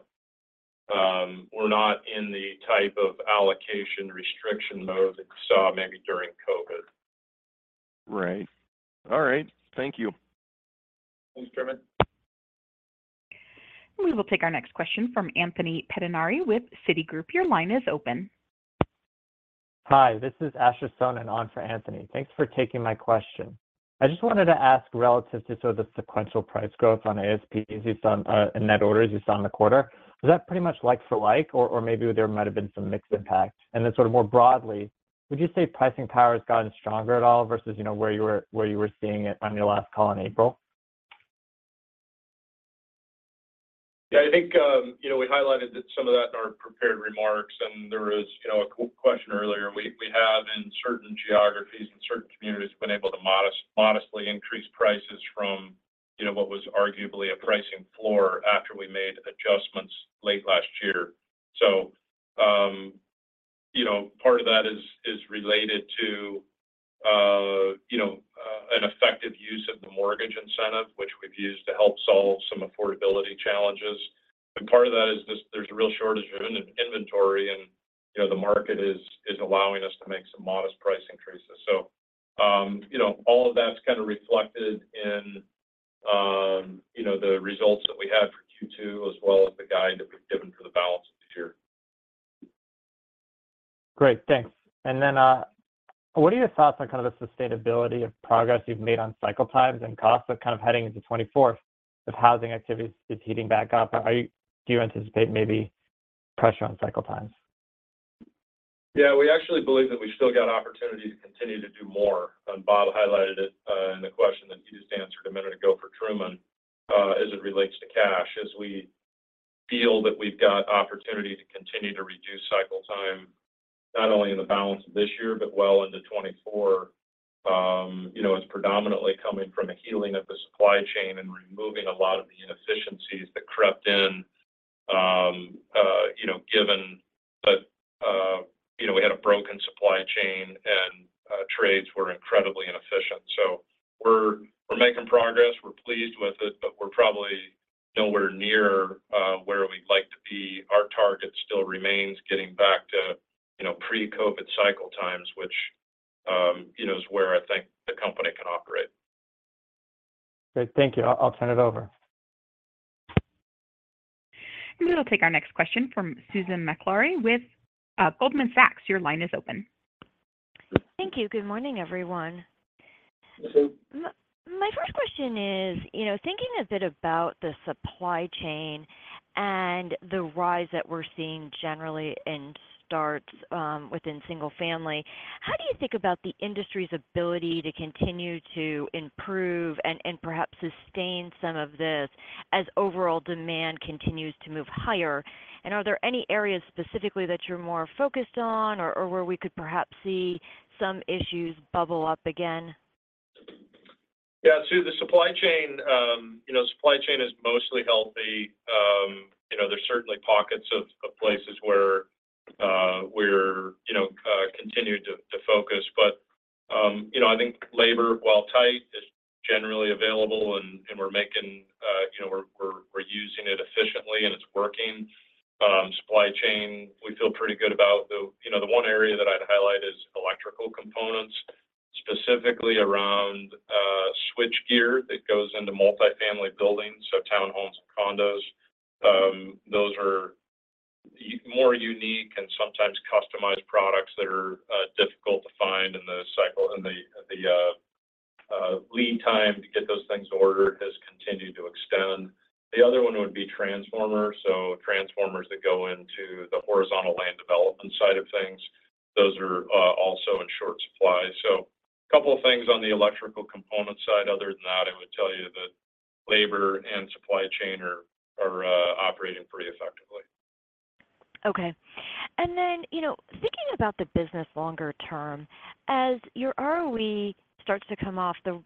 in the type of allocation restriction mode that you saw maybe during COVID. Right. All right. Thank you. Thanks, Truman. We will take our next question from Anthony Pettinari with Citigroup. Your line is open. Hi, this is Asher Sohnen on for Anthony. Thanks for taking my question. I just wanted to ask, relative to sort of the sequential price growth on ASP in net orders you saw in the quarter. Was that pretty much like for like, or maybe there might have been some mixed impact? Sort of more broadly, would you say pricing power has gotten stronger at all versus, you know, where you were seeing it on your last call in April? Yeah, I think, you know, we highlighted that some of that in our prepared remarks. There was, you know, a question earlier. We have, in certain geographies and certain communities, been able to modestly increase prices from, you know, what was arguably a pricing floor after we made adjustments late last year. Part of that is related to, you know, an effective use of the mortgage incentive, which we've used to help solve some affordability challenges. Part of that is this, there's a real shortage of in-inventory, and, you know, the market is allowing us to make some modest price increases. All of that's kind of reflected in, you know, the results that we had for Q2, as well as the guide that we've given for the balance of the year. Great, thanks. What are your thoughts on kind of the sustainability of progress you've made on cycle times and costs of kind of heading into 2024, if housing activity is heating back up? Do you anticipate maybe pressure on cycle times? We've still got opportunity to continue to do more, and Bob highlighted it in the question that you just answered a minute ago for Truman, as it relates to cash. We feel that we've got opportunity to continue to reduce cycle time, not only in the balance of this year, but well into 2024. You know, it's predominantly coming from a healing of the supply chain and removing a lot of the inefficiencies that crept in, you know, given that, you know, we had a broken supply chain, and trades were incredibly inefficient. We're making progress. We're pleased with it, but we're probably nowhere near where we'd like to be. Our target still remains getting back to, you know, pre-COVID cycle times, which, you know, is where I think the company can operate. Great, thank you. I'll turn it over. We'll take our next question from Susan Maklari with Goldman Sachs. Your line is open. Thank you. Good morning, everyone My first question is, you know, thinking a bit about the supply chain and the rise that we're seeing generally in starts within single family. How do you think about the industry's ability to continue to improve and perhaps sustain some of this as overall demand continues to move higher? Are there any areas specifically that you're more focused on or where we could perhaps see some issues bubble up again? Yeah, Sue, the supply chain, you know, supply chain is mostly healthy. You know, there's certainly pockets of places where we continue to focus. You know, I think labor, while tight, is generally available and we're using it efficiently, and it's working. Supply chain, we feel pretty good about. The, you know, the one area that I'd highlight is electrical components, specifically around switchgear that goes into multifamily buildings, so townhomes and condos. Those are more unique and sometimes customized products that are difficult to find in the cycle. The lead time to get those things ordered has continued to extend. The other one would be transformers. Transformers that go into the horizontal land development side of things, those are also in short supply. A couple of things on the electrical component side. Other than that, I would tell you that labor and supply chain are operating pretty effectively. Okay. you know, thinking about the business longer term, as your ROE starts to come off the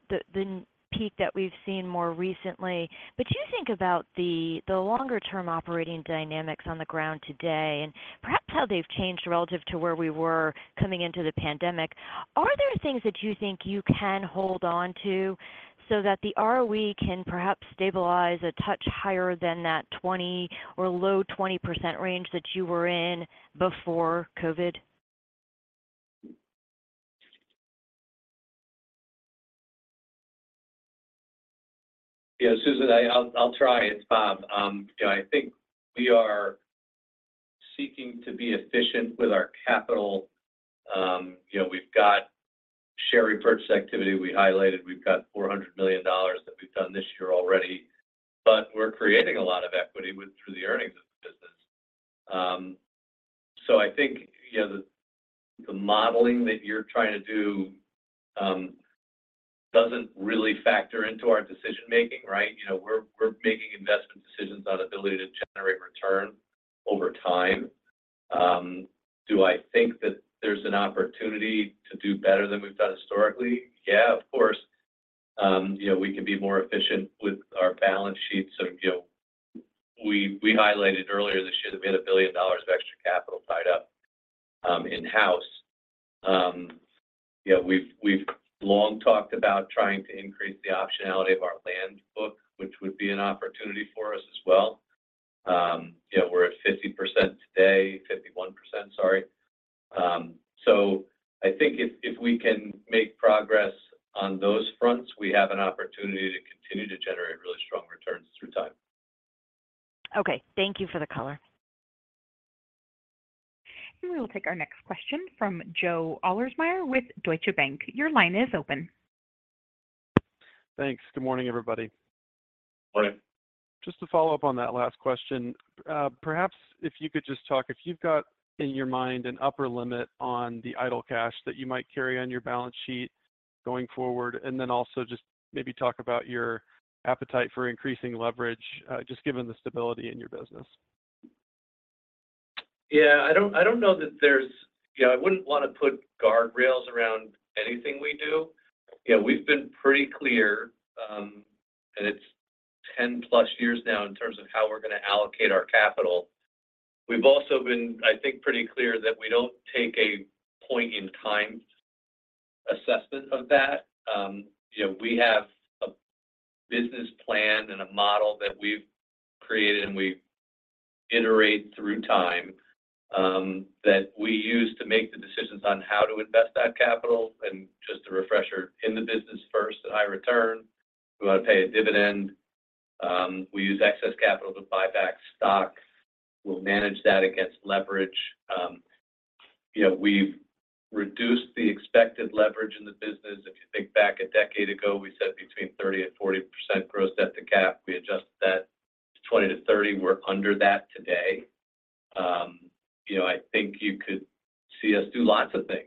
peak that we've seen more recently. you think about the longer-term operating dynamics on the ground today and perhaps how they've changed relative to where we were coming into the pandemic. Are there things that you think you can hold on to so that the ROE can perhaps stabilize a touch higher than that 20% or low 20% range that you were in before COVID? Yeah, Susan, I'll try. It's Bob. You know, I think we are seeking to be efficient with our capital. You know, we've got share repurchase activity we highlighted. We've got $400 million that we've done this year already, but we're creating a lot of equity through the earnings of the business. I think, you know, the modeling that you're trying to do, doesn't really factor into our decision making, right? You know, we're making investment decisions on ability to generate return over time. Do I think that there's an opportunity to do better than we've done historically? Yeah, of course. You know, we can be more efficient with our balance sheet. We highlighted earlier this year that we had $1 billion of extra capital tied up in-house. Yeah, we've long talked about trying to increase the optionality of our land book, which would be an opportunity for us as well. Yeah, we're at 50% today, 51%, sorry. I think if we can make progress on those fronts, we have an opportunity to continue to generate really strong returns through time. Okay. Thank you for the color. We will take our next question from Joe Ahlersmeyer with Deutsche Bank. Your line is open. Thanks. Good morning, everybody. Morning. Just to follow up on that last question, perhaps if you could just talk, if you've got in your mind an upper limit on the idle cash that you might carry on your balance sheet going forward, and then also just maybe talk about your appetite for increasing leverage, just given the stability in your business. Yeah, I don't know that there's, you know, I wouldn't want to put guardrails around anything we do. You know, we've been pretty clear, and it's 10+ years now, in terms of how we're going to allocate our capital. We've also been, I think, pretty clear that we don't take a point-in-time assessment of that. You know, we have a business plan and a model that we've created, and we iterate through time, that we use to make the decisions on how to invest that capital. Just a refresher, in the business first and high return, we want to pay a dividend. We use excess capital to buy back stock. We'll manage that against leverage. You know, we've reduced the expected leverage in the business. If you think back a decade ago, we said between 30% and 40% gross debt to cap. We adjusted that 20% to 30%, we're under that today. You know, I think you could see us do lots of things.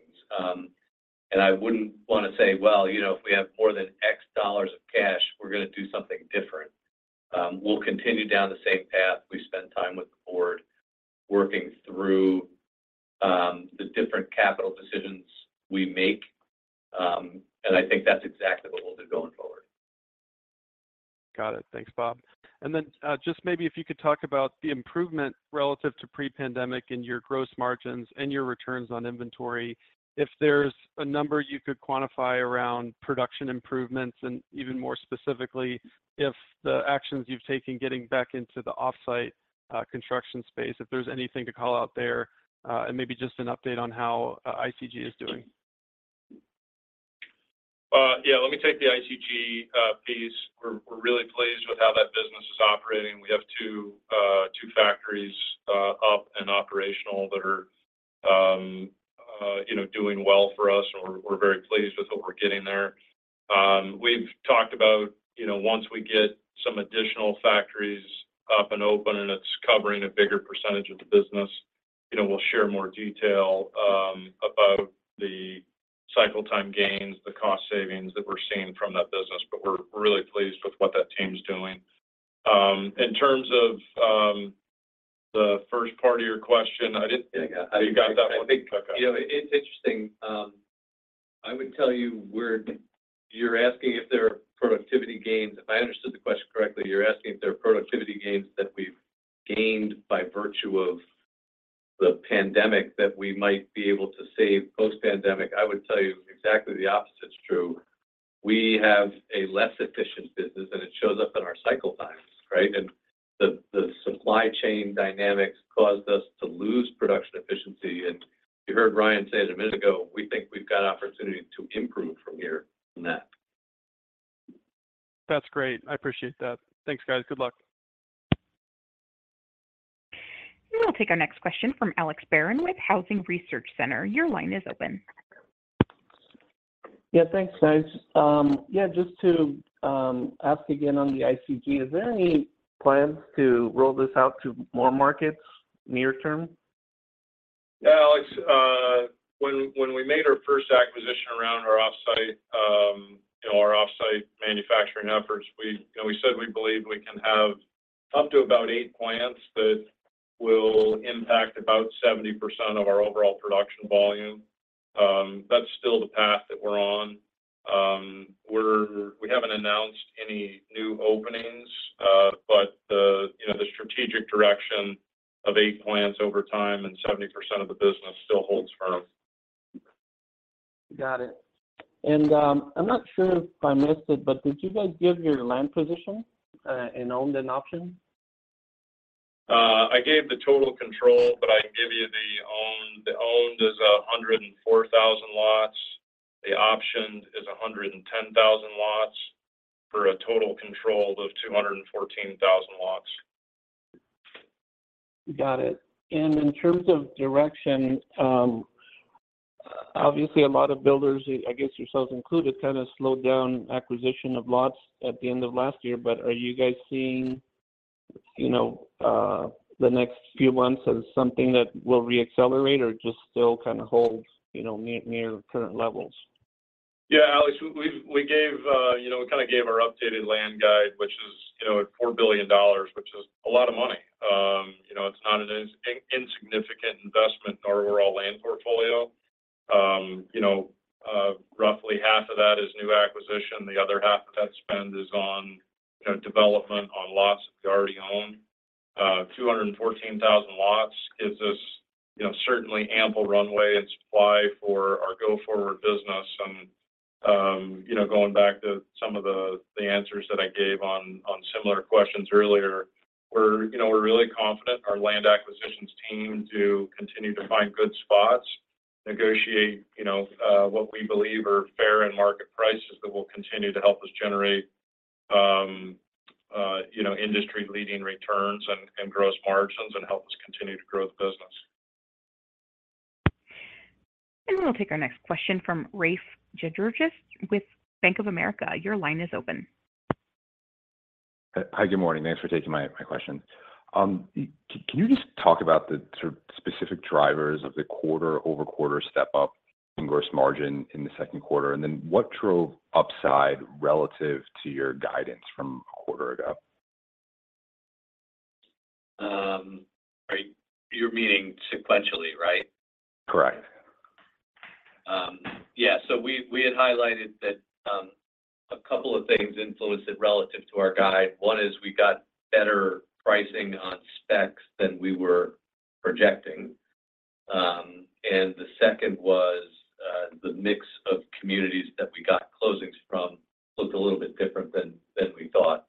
I wouldn't want to say, well, you know, if we have more than $X of cash, we're going to do something different. We'll continue down the same path. We spend time with the board, working through the different capital decisions we make. I think that's exactly what we'll do going forward. Got it. Thanks, Bob. Then, just maybe if you could talk about the improvement relative to pre-pandemic in your gross margins and your returns on inventory. If there's a number you could quantify around production improvements, and even more specifically, if the actions you've taken getting back into the off-site construction space, if there's anything to call out there. Maybe just an update on how ICG is doing. Yeah, let me take the ICG piece. We're, we're really pleased with how that business is operating. We have two factories up and operational that are, you know, doing well for us, and we're very pleased with what we're getting there. We've talked about, you know, once we get some additional factories up and open, and it's covering a bigger percentage of the business, you know, we'll share more detail about the cycle time gains, the cost savings that we're seeing from that business. We're really pleased with what that team's doing. In terms of the first part of your question, You got that one. I think, you know, it's interesting. I would tell you're asking if there are productivity gains. If I understood the question correctly, you're asking if there are productivity gains that we've gained by virtue of the pandemic, that we might be able to save post-pandemic. I would tell you exactly the opposite is true. We have a less efficient business, and it shows up in our cycle times, right? The, the supply chain dynamics caused us to lose production efficiency. You heard Ryan say it a minute ago, we think we've got opportunity to improve from here, from that. That's great. I appreciate that. Thanks, guys. Good luck. We'll take our next question from Alex Barron with Housing Research Center. Your line is open. Yeah, thanks, guys. Yeah, just to ask again on the ICG, is there any plans to roll this out to more markets near term? Yeah, Alex, when we made our first acquisition around our off-site, you know, our off-site manufacturing efforts, we, you know, we said we believe we can have up to about eight plants that will impact about 70% of our overall production volume. That's still the path that we're on. We haven't announced any new openings, but the, you know, the strategic direction of eight plants over time and 70% of the business still holds firm. Got it. I'm not sure if I missed it, but did you guys give your land position in owned and option? I gave the total control. I can give you the owned. The owned is 104,000 lots. The optioned is 110,000 lots, for a total control of 214,000 lots. Got it. In terms of direction, obviously a lot of builders, I guess yourselves included, kind of slowed down acquisition of lots at the end of last year. Are you guys seeing, you know, the next few months as something that will re-accelerate, or just still kind of hold, you know, near current levels? Yeah, Alex, we gave, you know, we kind of gave our updated land guide, which is, you know, at $4 billion, which is a lot of money. You know, it's not an insignificant investment in our overall land portfolio. You know, roughly half of that is new acquisition. The other half of that spend is on, you know, development on lots we already own. 214,000 lots gives us, you know, certainly ample runway and supply for our go-forward business. You know, going back to some of the answers that I gave on similar questions earlier, we're, you know, we're really confident our land acquisitions team to continue to find good spots, negotiate, you know, what we believe are fair and market prices that will continue to help us generate, you know, industry-leading returns and gross margins, and help us continue to grow the business. We'll take our next question from Rafe Jadrosich with Bank of America. Your line is open. Hi, good morning. Thanks for taking my question. Can you just talk about the sort of specific drivers of the quarter-over-quarter step up in gross margin in the Q2, and then what drove upside relative to your guidance from a quarter ago? You're meaning sequentially, right? Correct. Yeah. We had highlighted that a couple of things influenced it relative to our guide. One is we got better pricing on specs than we were projecting. The second was the mix of communities that we got closings from looked a little bit different than we thought.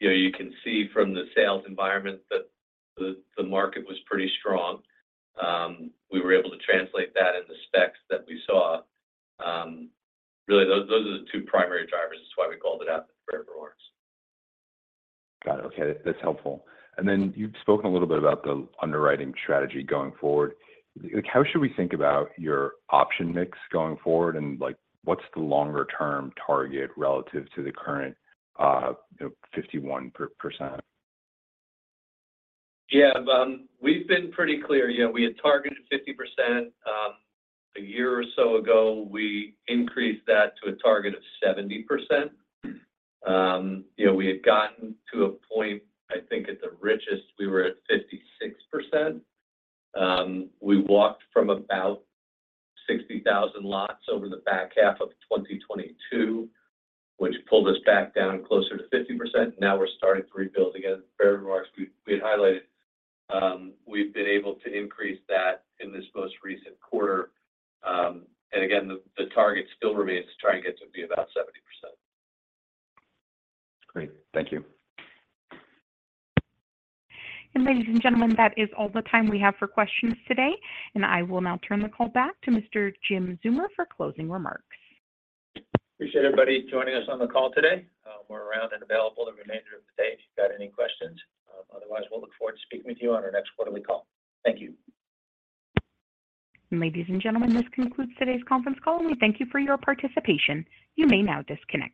You know, you can see from the sales environment that the market was pretty strong. We were able to translate that in the specs that we saw. Really, those are the two primary drivers. That's why we called it out for remarks. Got it. Okay, that's helpful. Then you've spoken a little bit about the underwriting strategy going forward. Like, how should we think about your option mix going forward, and, like, what's the longer-term target relative to the current, you know, 51%? Yeah, we've been pretty clear. Yeah, we had targeted 50%. A year or so ago, we increased that to a target of 70%. You know, we had gotten to a point, I think, at the richest, we were at 56%. We walked from about 60,000 lots over the back half of 2022, which pulled us back down closer to 50%. Now, we're starting to rebuild again. Fair remarks, we had highlighted, we've been able to increase that in this most recent quarter. Again, the target still remains to try and get to be about 70%. Great. Thank you. Ladies and gentlemen, that is all the time we have for questions today, and I will now turn the call back to Mr. Jim Zeumer for closing remarks. Appreciate everybody joining us on the call today. We're around and available the remainder of the day if you've got any questions. Otherwise, we'll look forward to speaking with you on our next quarterly call. Thank you. Ladies and gentlemen, this concludes today's conference call, and we thank you for your participation. You may now disconnect.